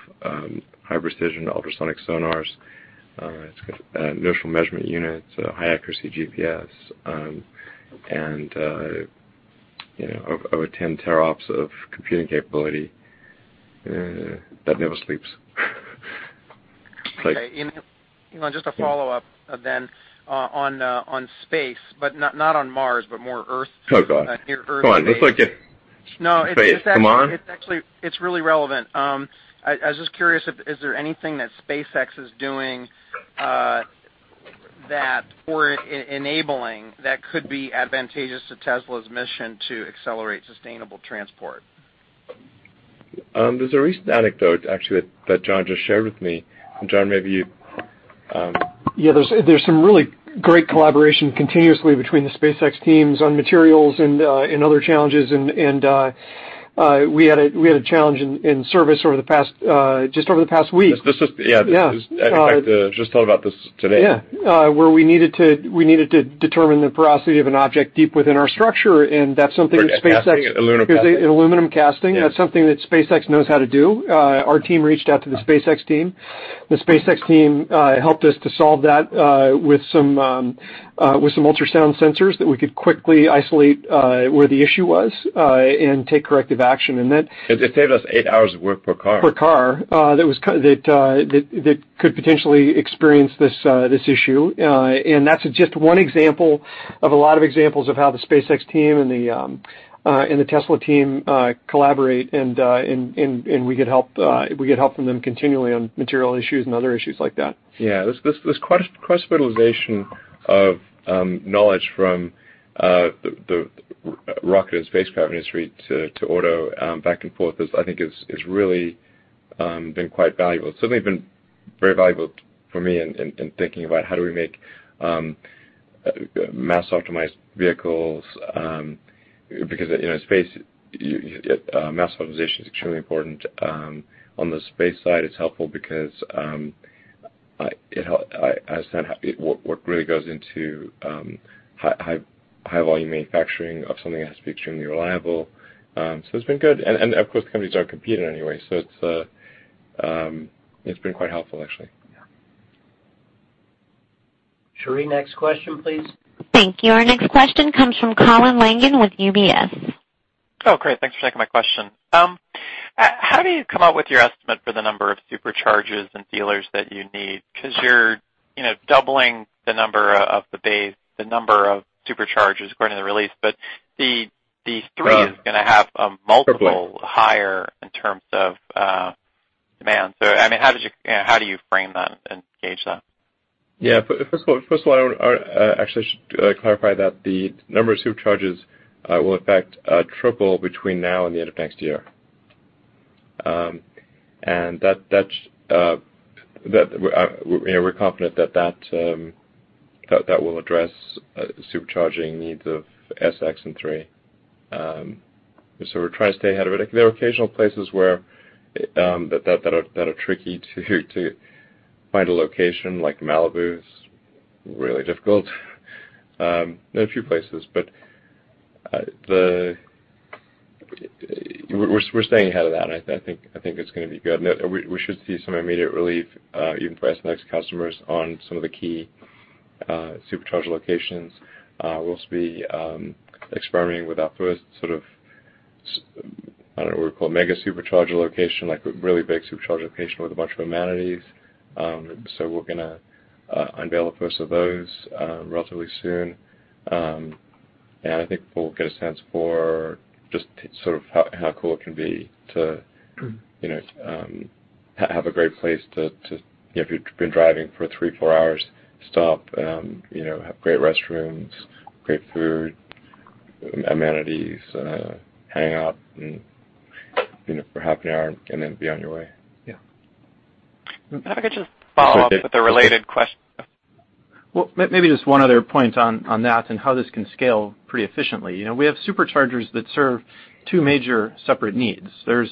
high-precision ultrasonic sonars. It's got inertial measurement units, high-accuracy GPS, and, you know, over 10 tera-ops of computing capability, that never sleeps. Okay. Elon, just a follow-up then, on space, but not on Mars, but more Earth. Oh, God. Near Earth space. it's actually, it's really relevant. I was just curious if is there anything that SpaceX is doing, that we're enabling that could be advantageous to Tesla's mission to accelerate sustainable transport? There's a recent anecdote actually that Jon just shared with me. Jon, maybe you. Yeah, there's some really great collaboration continuously between the SpaceX teams on materials and other challenges and, we had a challenge in service just over the past week. Yeah. Yeah. In fact, just thought about this today. Yeah. where we needed to determine the porosity of an object deep within our structure, and that's something that SpaceX- Like a casting, an aluminum casting? It was an aluminum casting. Yeah. That's something that SpaceX knows how to do. Our team reached out to the SpaceX team. The SpaceX team helped us to solve that with some ultrasound sensors that we could quickly isolate where the issue was and take corrective action. It saved us eight hours of work per car. Per car, that was that could potentially experience this issue. That's just one example of a lot of examples of how the SpaceX team and the Tesla team collaborate and we get help, we get help from them continually on material issues and other issues like that. This cross-fertilization of knowledge from the rocket and spacecraft industry to auto back and forth is I think is really been quite valuable. Certainly been very valuable for me in thinking about how do we make mass-optimized vehicles, because, you know, space, you mass optimization is extremely important. On the space side, it's helpful because I understand what really goes into high-volume manufacturing of something that has to be extremely reliable. So it's been good. Of course, companies are competing anyway, so it's been quite helpful actually. Yeah. Cherie, next question, please. Thank you. Our next question comes from Colin Langan with UBS. Oh, great. Thanks for taking my question. How do you come up with your estimate for the number of Superchargers and dealers that you need? 'Cause you're, you know, doubling the number of the base Superchargers according to the release. The 3 is gonna have a multiple- Triple Higher in terms of demand. I mean, You know, how do you frame that and gauge that? Yeah. First of all, actually I should clarify that the number of Superchargers will in fact triple between now and the end of next year. That's that we're, you know, we're confident that that will address the Supercharging needs of S, X, and 3. We're trying to stay ahead of it. There are occasional places where that are tricky to find a location, like Malibu's really difficult. There are a few places, We're staying ahead of that, I think it's gonna be good. We should see some immediate relief even for S and X customers on some of the key Supercharger locations. We'll be experimenting with our first sort of I don't know what we call mega Supercharger location, like a really big Supercharger location with a bunch of amenities. We're gonna unveil the first of those relatively soon. I think people will get a sense for just sort of how cool it can be to, you know, have a great place to, you know, if you've been driving for three, four hours, stop, you know, have great restrooms, great food, amenities, hang out and, you know, for half an hour and then be on your way. If I could just follow up. With a related question. Well, maybe just one other point on that and how this can scale pretty efficiently. You know, we have Superchargers that serve two major separate needs. There's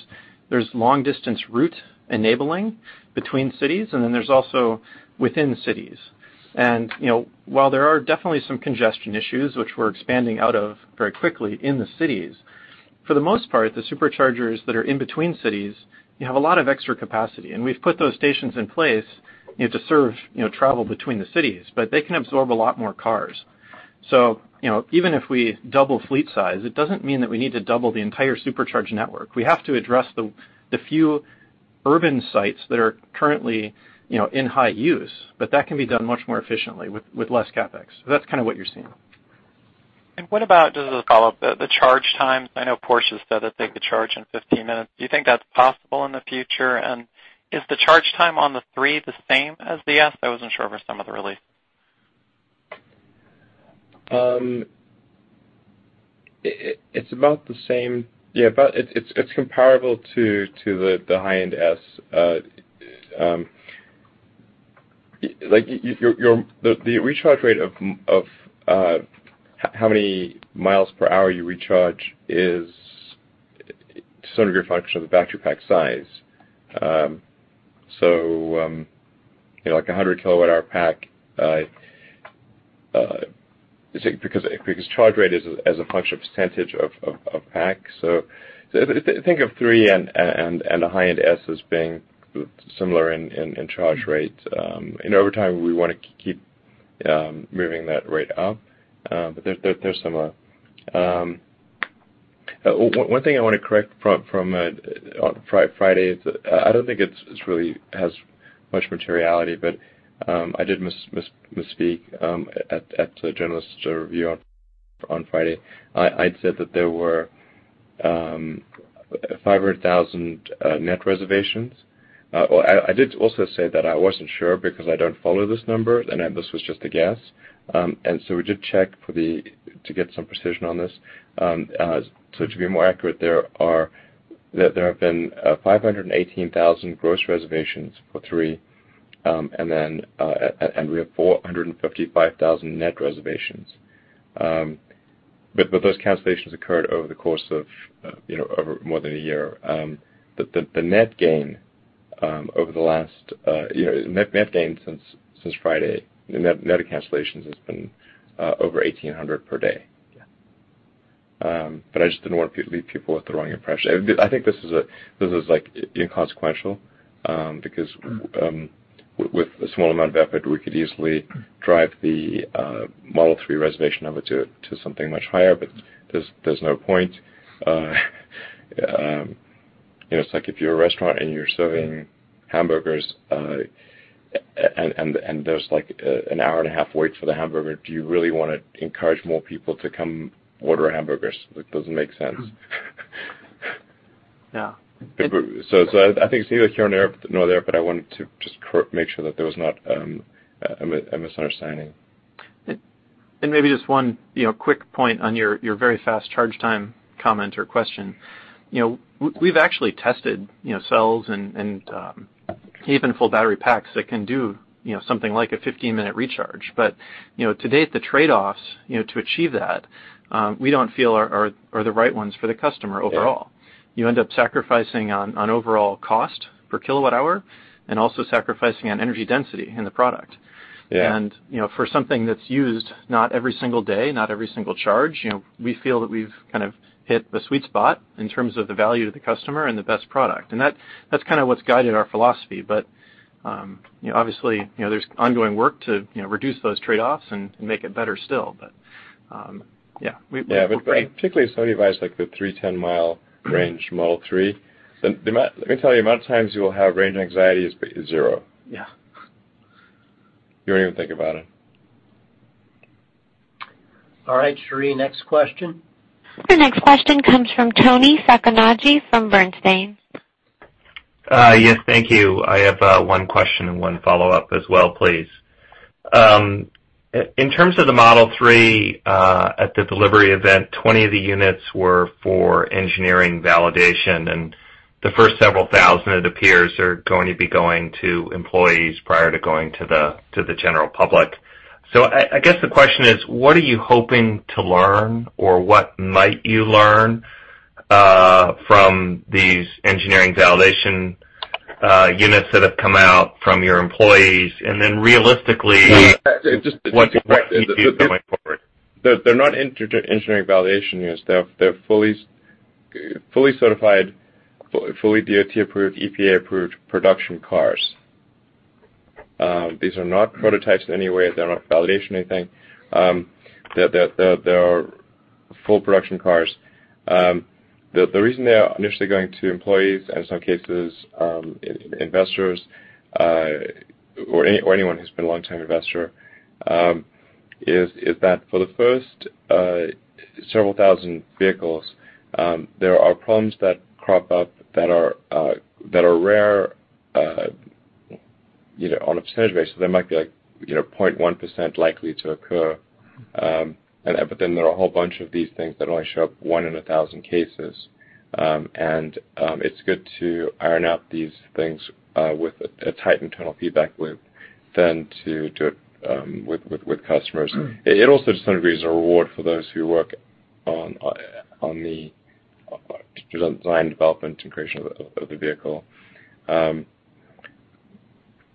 long-distance route enabling between cities, and then there's also within cities. You know, while there are definitely some congestion issues, which we're expanding out of very quickly in the cities, for the most part, the Superchargers that are in between cities, you have a lot of extra capacity. We've put those stations in place, you know, to serve, you know, travel between the cities, but they can absorb a lot more cars. You know, even if we double fleet size, it doesn't mean that we need to double the entire Supercharger network. We have to address the few urban sites that are currently, you know, in high use, but that can be done much more efficiently with less CapEx. That's kinda what you're seeing. What about, just as a follow-up, the charge times? I know Porsche has said that they could charge in 15 minutes. Do you think that's possible in the future? Is the charge time on the 3 the same as the S? I wasn't sure from some of the release. It's about the same. Yeah, it's comparable to the high-end S. like your recharge rate of how many miles per hour you recharge is sort of your function of the battery pack size. you know, like a 100 kWh pack, because charge rate is as a function of percentage of pack. if they think of 3 and a high-end S as being similar in charge rates. Over time, we wanna keep moving that rate up. They're similar. One thing I wanna correct from on Friday is I don't think it's really has much materiality, but I did misspeak at the journalist review on Friday. I'd said that there were 500,000 net reservations. Well, I did also say that I wasn't sure because I don't follow this number and that this was just a guess. So we did check to get some precision on this. So to be more accurate, there have been 518,000 gross reservations for 3, and then we have 455,000 net reservations. Those cancellations occurred over the course of, you know, over more than a year. The net gain, over the last, you know, net gain since Friday, net of cancellations has been, over 1,800 per day. Yeah. But I just didn't want people with the wrong impression. I think this is like inconsequential, because with a small amount of effort, we could easily drive the Model 3 reservation number to something much higher, but there's no point. You know, it's like if you're a restaurant and you're serving hamburgers, and there's like an hour and a half wait for the hamburger, do you really wanna encourage more people to come order hamburgers? It doesn't make sense. Yeah. I think it's neither here nor there, but I wanted to just make sure that there was not a misunderstanding. Maybe just one, you know, quick point on your very fast charge time comment or question. You know, we've actually tested, you know, cells and even full battery packs that can do, you know, something like a 15-minute recharge. You know, to date, the trade-offs, you know, to achieve that, we don't feel are the right ones for the customer overall. Yeah. You end up sacrificing on overall cost per kilowatt hour, and also sacrificing on energy density in the product. Yeah. You know, for something that's used not every single day, not every single charge, you know, we feel that we've kind of hit the sweet spot in terms of the value to the customer and the best product. That, that's kinda what's guided our philosophy. You know, obviously, you know, there's ongoing work to, you know, reduce those trade-offs and make it better still. Yeah, we're great. Particularly if somebody buys like the 310-mile range Model 3, let me tell you, the amount of times you will have range anxiety is zero. Yeah. You don't even think about it. All right. Cherie, next question. Our next question comes from Toni Sacconaghi from Bernstein. Yes. Thank you. I have one question and one follow-up as well, please. In terms of the Model 3, at the delivery event, 20 of the units were for engineering validation, and the first several thousand, it appears, are going to be going to employees prior to going to the general public. I guess the question is, what are you hoping to learn or what might you learn from these engineering validation units that have come out from your employees? Yeah. What can you do going forward? They're not engineering validation units. They're fully certified, fully DOT-approved, EPA-approved production cars. These are not prototypes in any way. They're not validation anything. They're full production cars. The reason they are initially going to employees, and in some cases, investors, or anyone who's been a long-term investor, is that for the first several thousand vehicles, there are problems that crop up that are rare, you know, on a percentage basis. They might be like, you know, 0.1% likely to occur. There are a whole bunch of these things that only show up 1 in 1,000 cases. It's good to iron out these things with a tight internal feedback loop than to do it with customers. It also to some degree is a reward for those who work on the design, development, and creation of the vehicle.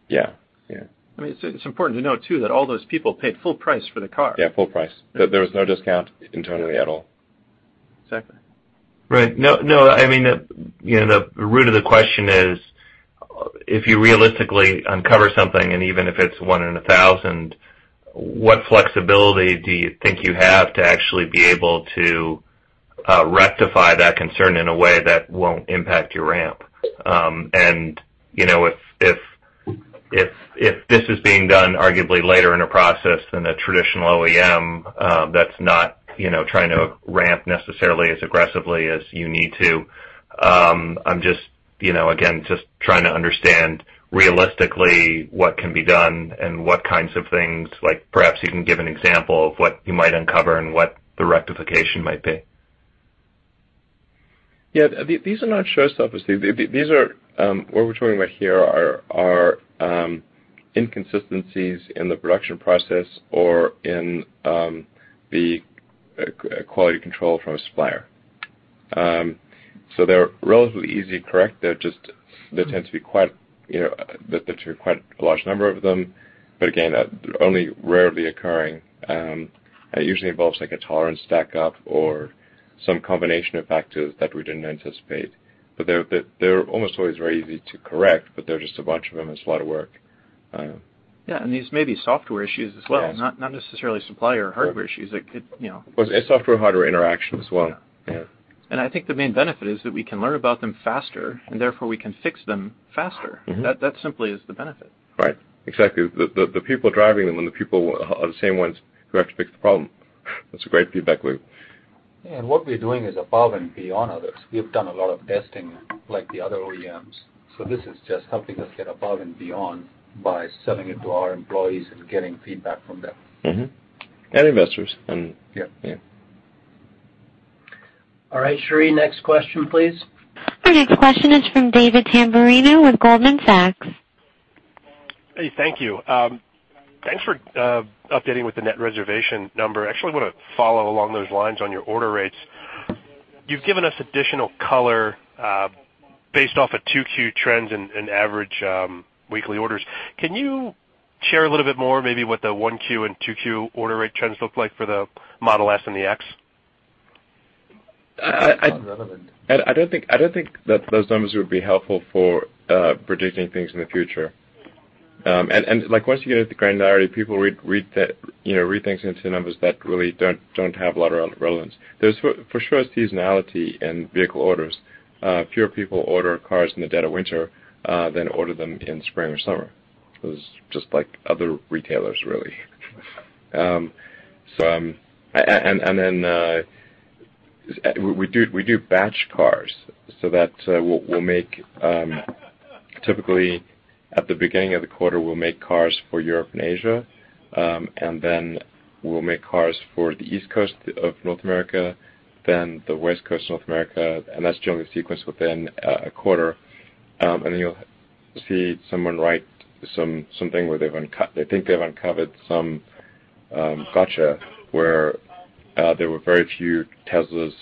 Yeah. Yeah. I mean, it's important to note too that all those people paid full price for the car. Yeah, full price. There was no discount internally at all. Exactly. Right. No, no, I mean, the, you know, the root of the question is, if you realistically uncover something, and even if it's one in 1,000, what flexibility do you think you have to actually be able to rectify that concern in a way that won't impact your ramp? You know, if this is being done arguably later in the process than a traditional OEM, that's not, you know, trying to ramp necessarily as aggressively as you need to, I'm just, you know, again, just trying to understand realistically what can be done and what kinds of things, like perhaps you can give an example of what you might uncover and what the rectification might be. Yeah. These are not showstoppers. These are what we're talking about here are inconsistencies in the production process or in the quality control from a supplier. They're relatively easy to correct. They tend to be quite, you know, there tend to be quite a large number of them, but again, only rarely occurring. It usually involves like a tolerance stack up or some combination of factors that we didn't anticipate. They're almost always very easy to correct, but there are just a bunch of them, it's a lot of work. Yeah, these may be software issues as well. Yeah. Not necessarily supplier hardware issues. It could, you know. Well, it's software-hardware interaction as well. Yeah. I think the main benefit is that we can learn about them faster, and therefore we can fix them faster. That simply is the benefit. Right. Exactly. The people driving them and the people are the same ones who have to fix the problem. That's a great feedback loop. What we're doing is above and beyond others. We have done a lot of testing like the other OEMs, this is just helping us get above and beyond by selling it to our employees and getting feedback from them. Mm-hmm. Yep. Yeah. All right, Cherie, next question, please. Our next question is from David Tamberrino with Goldman Sachs. Hey, thank you. Thanks for updating with the net reservation number. I actually wanna follow along those lines on your order rates. You've given us additional color based off of 2Q trends and average weekly orders. Can you share a little bit more maybe what the 1Q and 2Q order rate trends look like for the Model S and the X? I- It's not relevant. I don't think that those numbers would be helpful for predicting things in the future. Like, once you get into the granularity, people read things into numbers that really don't have a lot of relevance. There's for sure a seasonality in vehicle orders. Fewer people order cars in the dead of winter than order them in spring or summer. It was just like other retailers, really. Then we do batch cars so that we'll make, typically at the beginning of the quarter, we'll make cars for Europe and Asia, and then we'll make cars for the East Coast of North America, then the West Coast of North America, and that's generally the sequence within a quarter. You'll see someone write something where they think they've uncovered some gotcha where there were very few Teslas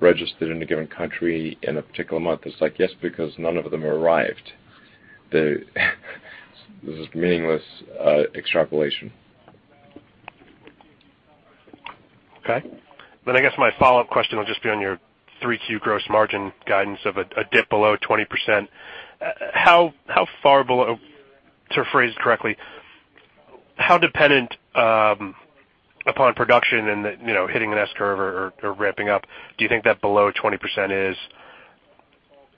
registered in a given country in a particular month. It's like, yes, because none of them arrived. This is meaningless extrapolation. Okay. I guess my follow-up question will just be on your Q3 gross margin guidance of a dip below 20%. How far below, to phrase it correctly, how dependent upon production and, you know, hitting an S-curve or ramping up, do you think that below 20% is?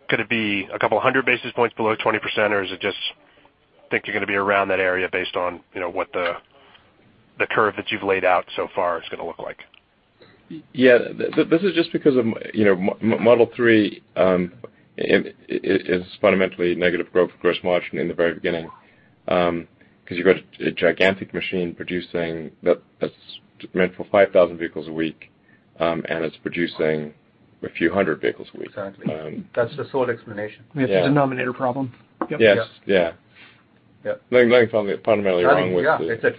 Could it be a couple hundred basis points below 20%, or is it just think you're gonna be around that area based on, you know, what the curve that you've laid out so far is gonna look like? Yeah. This is just because of, you know, Model 3, it is fundamentally negative gross margin in the very beginning, cause you've got a gigantic machine producing that's meant for 5,000 vehicles a week, and it's producing a few hundred vehicles a week. Exactly. That's the sole explanation. Yeah, it's a denominator problem. Yep. Yes. Yeah. Yep. Nothing fundamentally wrong with the. Yeah, it's a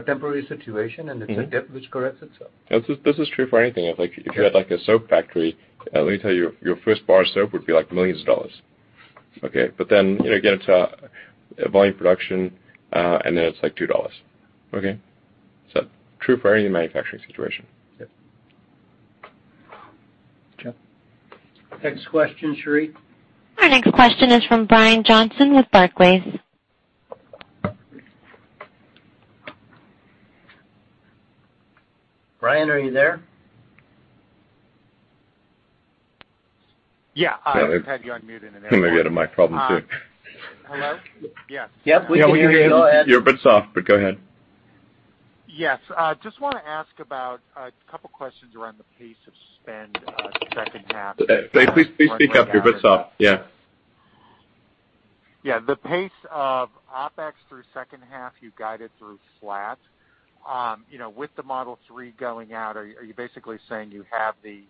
temporary situation, and it's a dip which corrects itself. This is true for anything. If you had like a soap factory, let me tell you, your first bar of soap would be like millions of dollars. Okay. you know, get it to volume production, and then it's like $2. Okay. True for any manufacturing situation. Yep. Okay. Next question, Cherie. Our next question is from Brian Johnson with Barclays. Brian, are you there? Yeah. I had you on mute. Maybe that my problem too. Hello? Yes. Yep, we can hear you. Go ahead. You're a bit soft, but go ahead. Yes. I just wanna ask about a couple questions around the pace of spend, second half- Please, please speak up. You're a bit soft. Yeah. Yeah, the pace of OpEx through second half, you guided through flat. You know, with the Model 3 going out, are you basically saying you have the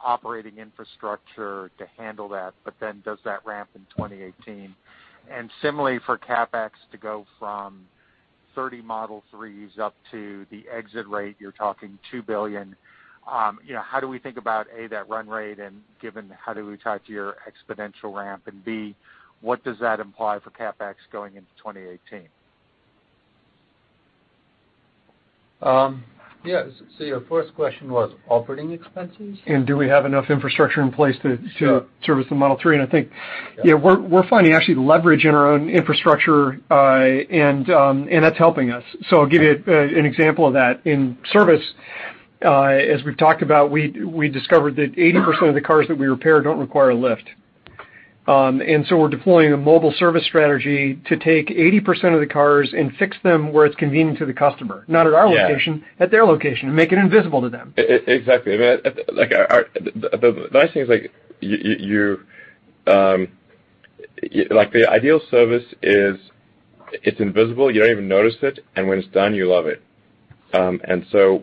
operating infrastructure to handle that, but then does that ramp in 2018? Similarly for CapEx to go from 30 Model 3s up to the exit rate, you're talking $2 billion. You know, how do we think about, A, that run rate and given how do we tie it to your exponential ramp? B, what does that imply for CapEx going into 2018? Yeah. Your first question was operating expenses? Do we have enough infrastructure in place to service the Model 3? I think, yeah, we're finding actually leverage in our own infrastructure, and that's helping us. I'll give you an example of that. In service, as we've talked about, we discovered that 80% of the cars that we repair don't require a lift We're deploying a mobile service strategy to take 80% of the cars and fix them where it's convenient to the customer, not at our location. Yeah At their location, and make it invisible to them. Exactly. I mean, like our, the nice thing is like you, like the ideal service is it's invisible, you don't even notice it, and when it's done, you love it.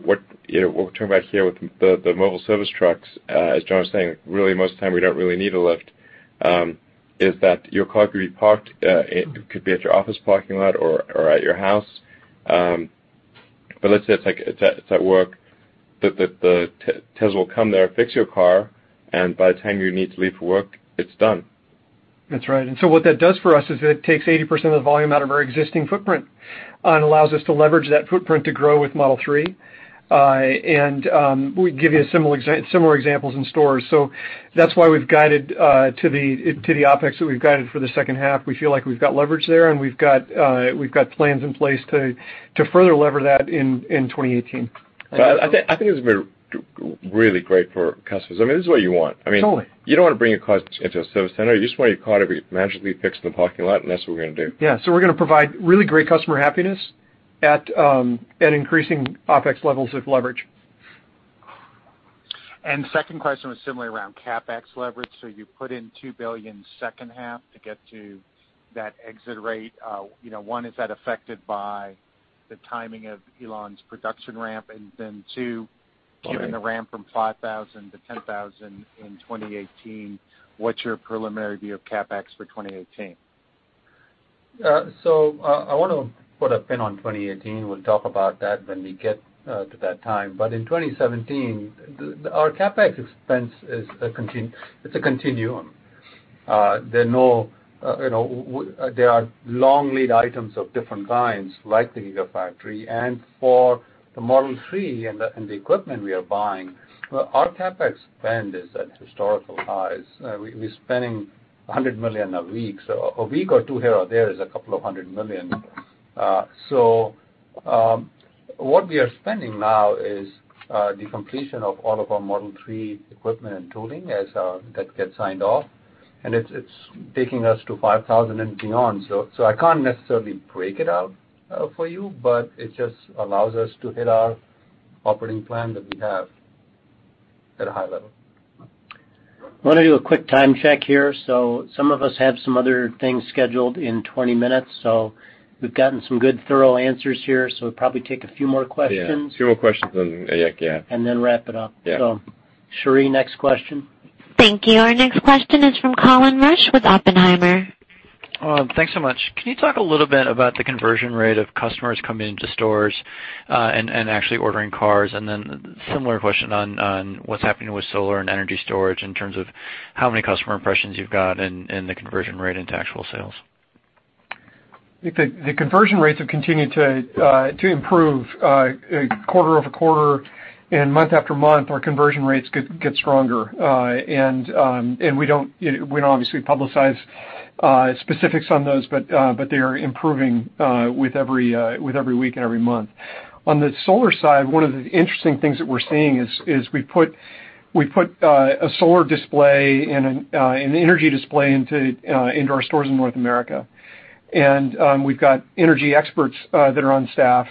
What, you know, what we're trying to do here with the mobile service trucks, as Jon was saying, really most of the time we don't really need a lift, is that your car could be parked, it could be at your office parking lot or at your house. Let's say it's at work. The Tesla will come there, fix your car, and by the time you need to leave for work, it's done. That's right. So what that does for us is it takes 80% of the volume out of our existing footprint, and allows us to leverage that footprint to grow with Model 3. We give you similar examples in stores. So that's why we've guided to the OpEx that we've guided for the second half. We feel like we've got leverage there and we've got plans in place to further lever that in 2018. Well, I think this will be really great for customers. I mean, this is what you want. Totally you don't wanna bring your car into a service center. You just want your car to be magically fixed in the parking lot. That's what we're gonna do. Yeah. We're gonna provide really great customer happiness at increasing OpEx levels of leverage. Second question was similarly around CapEx leverage. You put in $2 billion second half to get to that exit rate. You know, one, is that affected by the timing of Elon's production ramp? Oh, yeah. Given the ramp from 5,000 to 10,000 in 2018, what's your preliminary view of CapEx for 2018? I wanna put a pin on 2018. We'll talk about that when we get to that time. In 2017, the, our CapEx expense is a contin- it's a continuum. There are no, you know, there are long lead items of different kinds, like the Gigafactory. For the Model 3 and the, and the equipment we are buying, our CapEx spend is at historical highs. We, we're spending $100 million a week. A week or two here or there is $200 million. What we are spending now is the completion of all of our Model 3 equipment and tooling as that gets signed off. It's, it's taking us to 5,000 and beyond. I can't necessarily break it out for you, but it just allows us to hit our operating plan that we have at a high level. Wanna do a quick time check here. Some of us have some other things scheduled in 20 minutes. We've gotten some good thorough answers here, so we'll probably take a few more questions. Yeah. A few more questions and yeah. Wrap it up. Yeah. Cherie, next question. Thank you. Our next question is from Colin Rusch with Oppenheimer. Thanks so much. Can you talk a little bit about the conversion rate of customers coming into stores, and actually ordering cars? Then similar question on what's happening with solar and energy storage in terms of how many customer impressions you've got and the conversion rate into actual sales. The conversion rates have continued to improve. Quarter-over-quarter and month-after-month, our conversion rates get stronger. We don't, you know, we don't obviously publicize specifics on those, but they are improving with every week and every month. On the solar side, one of the interesting things that we're seeing is we put a solar display and an energy display into our stores in North America. We've got energy experts that are on staff.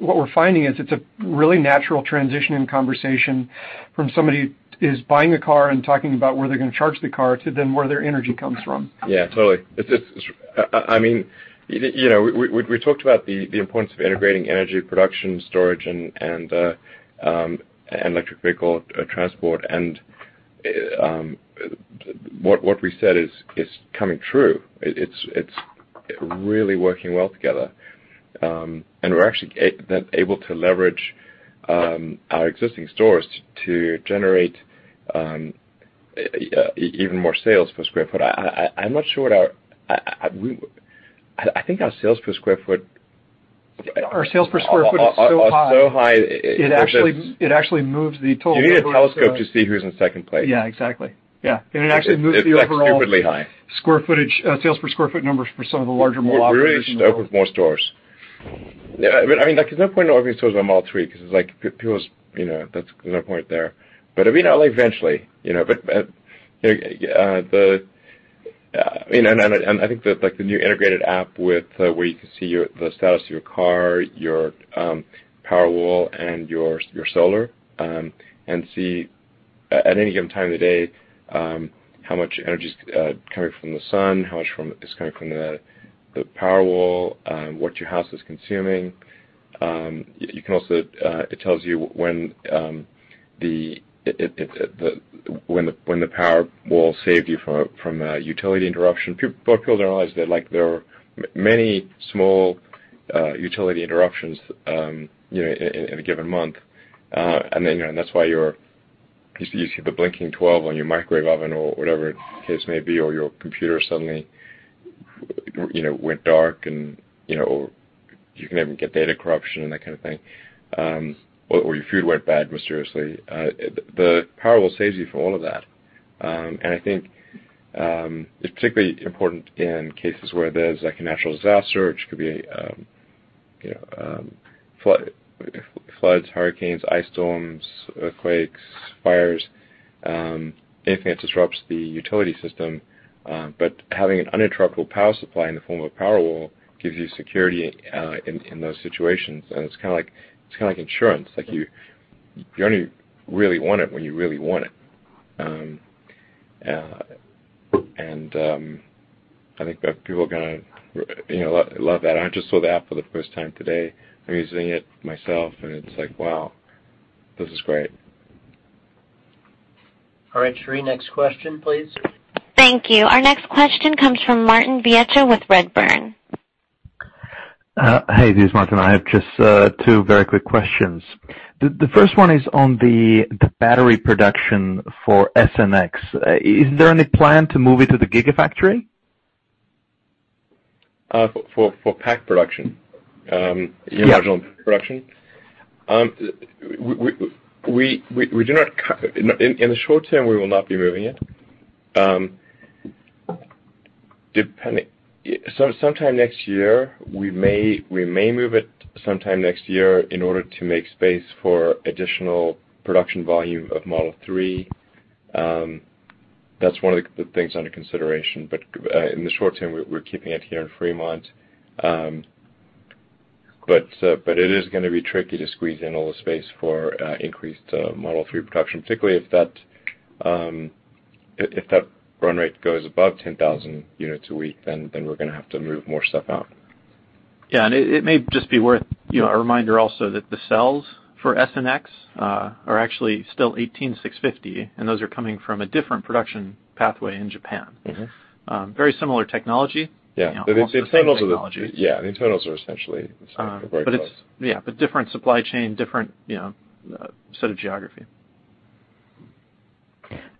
What we're finding is it's a really natural transition in conversation from somebody who's buying a car and talking about where they're gonna charge the car to then where their energy comes from. Yeah, totally. It's just, I mean, you know, we talked about the importance of integrating energy production, storage, and electric vehicle transport. What we said is coming true. It's really working well together. We're actually then able to leverage our existing stores to generate even more sales per square foot. Our sales per square foot is so high. Are so high. It actually moves the total. You need a telescope to see who's in second place. Yeah, exactly. Yeah. It actually moves the overall. It's like stupidly high. Square footage, sales per square foot numbers for some of the larger. We really need to open more stores. Yeah, I mean, like there's no point in opening stores on Model 3 'cause it's like people's, you know, that's, there's no point there. I mean, like eventually, you know. You know, and I think that like the new integrated app with where you can see your the status of your car, your Powerwall and your solar, and see at any given time of the day, how much energy's coming from the sun, how much from, is coming from the Powerwall, what your house is consuming. You can also, it tells you when the Powerwall saved you from a utility interruption. People don't realize that like there are many utility interruptions, you know, in a given month. You know, and that's why you see the blinking 12 on your microwave oven or whatever the case may be, or your computer suddenly, you know, went dark and, you know, or you can even get data corruption and that kind of thing. Or your food went bad mysteriously. The Powerwall saves you from all of that. I think it's particularly important in cases where there's like a natural disaster, which could be, You know, floods, hurricanes, ice storms, earthquakes, fires, anything that disrupts the utility system. Having an uninterruptible power supply in the form of a Powerwall gives you security in those situations. It's kinda like, it's kinda like insurance that you only really want it when you really want it. I think that people are gonna you know, love that. I just saw the app for the first time today. I'm using it myself, and it's like, wow, this is great. All right, Cherie, next question, please. Thank you. Our next question comes from Martin Viecha with Redburn. Hey, this is Martin. I have just two very quick questions. The first one is on the battery production for S and X. Is there any plan to move it to the Gigafactory? For pack production. Yeah. Production In the short term, we will not be moving it. Sometime next year, we may move it sometime next year in order to make space for additional production volume of Model 3. That's one of the things under consideration, but in the short-term, we're keeping it here in Fremont. But it is gonna be tricky to squeeze in all the space for increased Model 3 production, particularly if that run rate goes above 10,000 units a week, then we're gonna have to move more stuff out. It may just be worth, you know, a reminder also that the cells for S and X are actually still 18650, and those are coming from a different production pathway in Japan. Very similar technology. Yeah. You know, all the same technologies. Yeah, the internals are essentially, very close. It's, yeah, but different supply chain, different, you know, set of geography.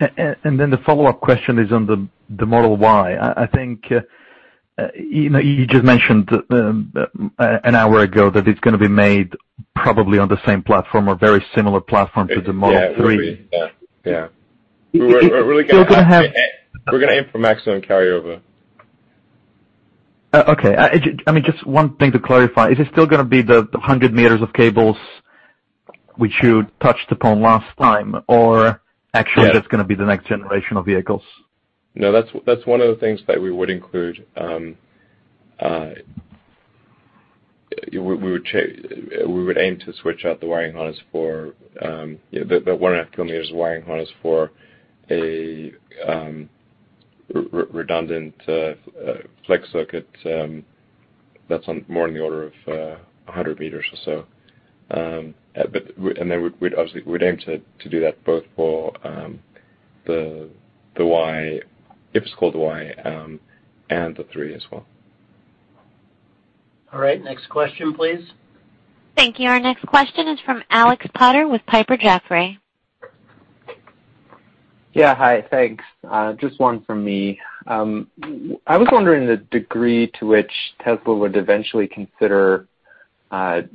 Then the follow-up question is on the Model Y. I think, you know, you just mentioned an hour ago that it's gonna be made probably on the same platform or very similar platform to the Model 3. Yeah, we agree. Yeah. Yeah. So, so- We're really gonna have- -you're gonna have- We're gonna aim for maximum carryover. Okay. I mean, just one thing to clarify. Is it still gonna be the 100 meters of cables which you touched upon last time? Yes. It's gonna be the next generation of vehicles? No, that's one of the things that we would include. We would aim to switch out the wiring harness for the 1.5 km of wiring harness for a redundant flex circuit that's on more in the order of 100 meters or so. Then we'd obviously we'd aim to do that both for the Y, if it's called Y, and the 3 as well. All right. Next question, please. Thank you. Our next question is from Alex Potter with Piper Jaffray. Yeah. Hi. Thanks. Just one from me. I was wondering the degree to which Tesla would eventually consider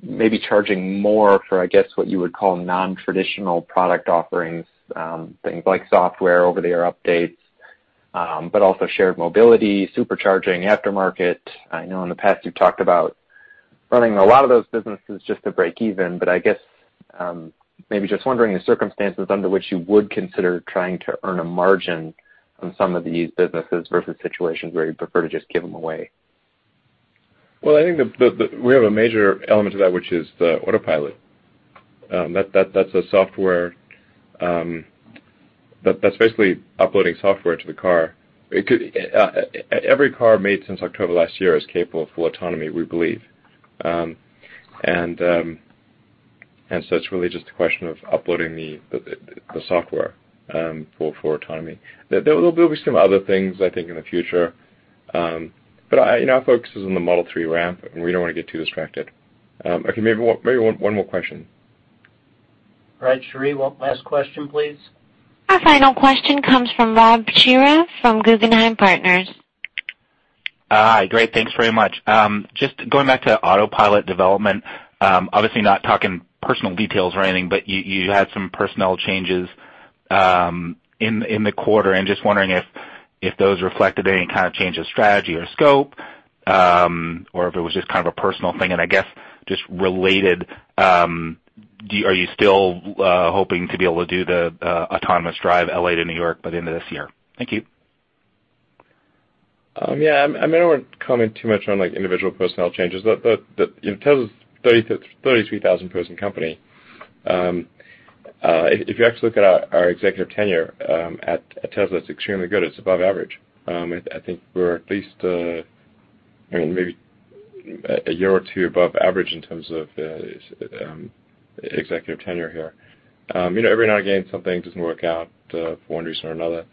maybe charging more for, I guess, what you would call non-traditional product offerings, things like software, over-the-air updates, but also shared mobility, Supercharging, aftermarket. I know in the past you've talked about running a lot of those businesses just to break even, but I guess, maybe just wondering the circumstances under which you would consider trying to earn a margin on some of these businesses versus situations where you prefer to just give them away. Well, I think we have a major element to that, which is the Autopilot. That's a software, that's basically uploading software to the car. Every car made since October last year is capable of full autonomy, we believe. It's really just a question of uploading the software for autonomy. There will be some other things, I think, in the future. I, you know, our focus is on the Model 3 ramp, we don't wanna get too distracted. Okay, maybe one more question. All right, Cherie, one last question, please. Our final question comes from Rob Cihra from Guggenheim Partners. Hi. Great. Thanks very much. Just going back to Autopilot development, obviously not talking personal details or anything, but you had some personnel changes in the quarter. I'm just wondering if those reflected any kind of change of strategy or scope, or if it was just kind of a personal thing. I guess just related, are you still hoping to be able to do the autonomous drive L.A. to New York by the end of this year? Thank you. Yeah, I mean, I won't comment too much on, like, individual personnel changes, but, but, you know, Tesla's 33,000 person company. If, if you actually look at our executive tenure, at Tesla, it's extremely good. It's above average. I think we're at least, I mean, maybe a year or two above average in terms of, executive tenure here. You know, every now and again, something doesn't work out, for one reason or another.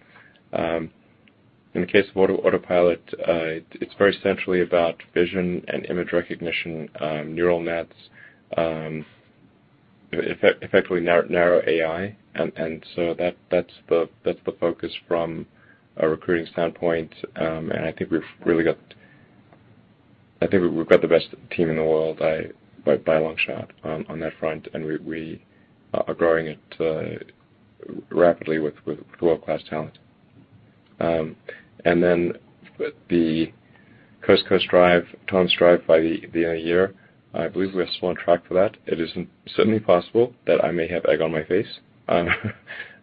In the case of Autopilot, it's very centrally about vision and image recognition, neural nets, effectually narrow AI. That, that's the, that's the focus from a recruiting standpoint. I think we've got the best team in the world by a long shot on that front, and we are growing it rapidly with world-class talent. The coast-to-coast drive, autonomous drive by the end of the year, I believe we are still on track for that. It is certainly possible that I may have egg on my face on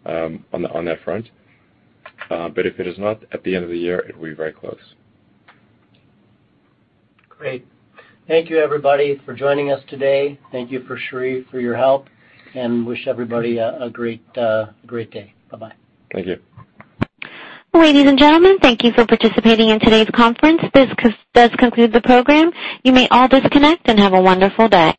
that front. If it is not at the end of the year, it'll be very close. Great. Thank you everybody for joining us today. Thank you for Cherie for your help, and wish everybody a great day. Bye-bye. Thank you. Ladies and gentlemen, thank you for participating in today's conference. This concludes the program. You may all disconnect and have a wonderful day.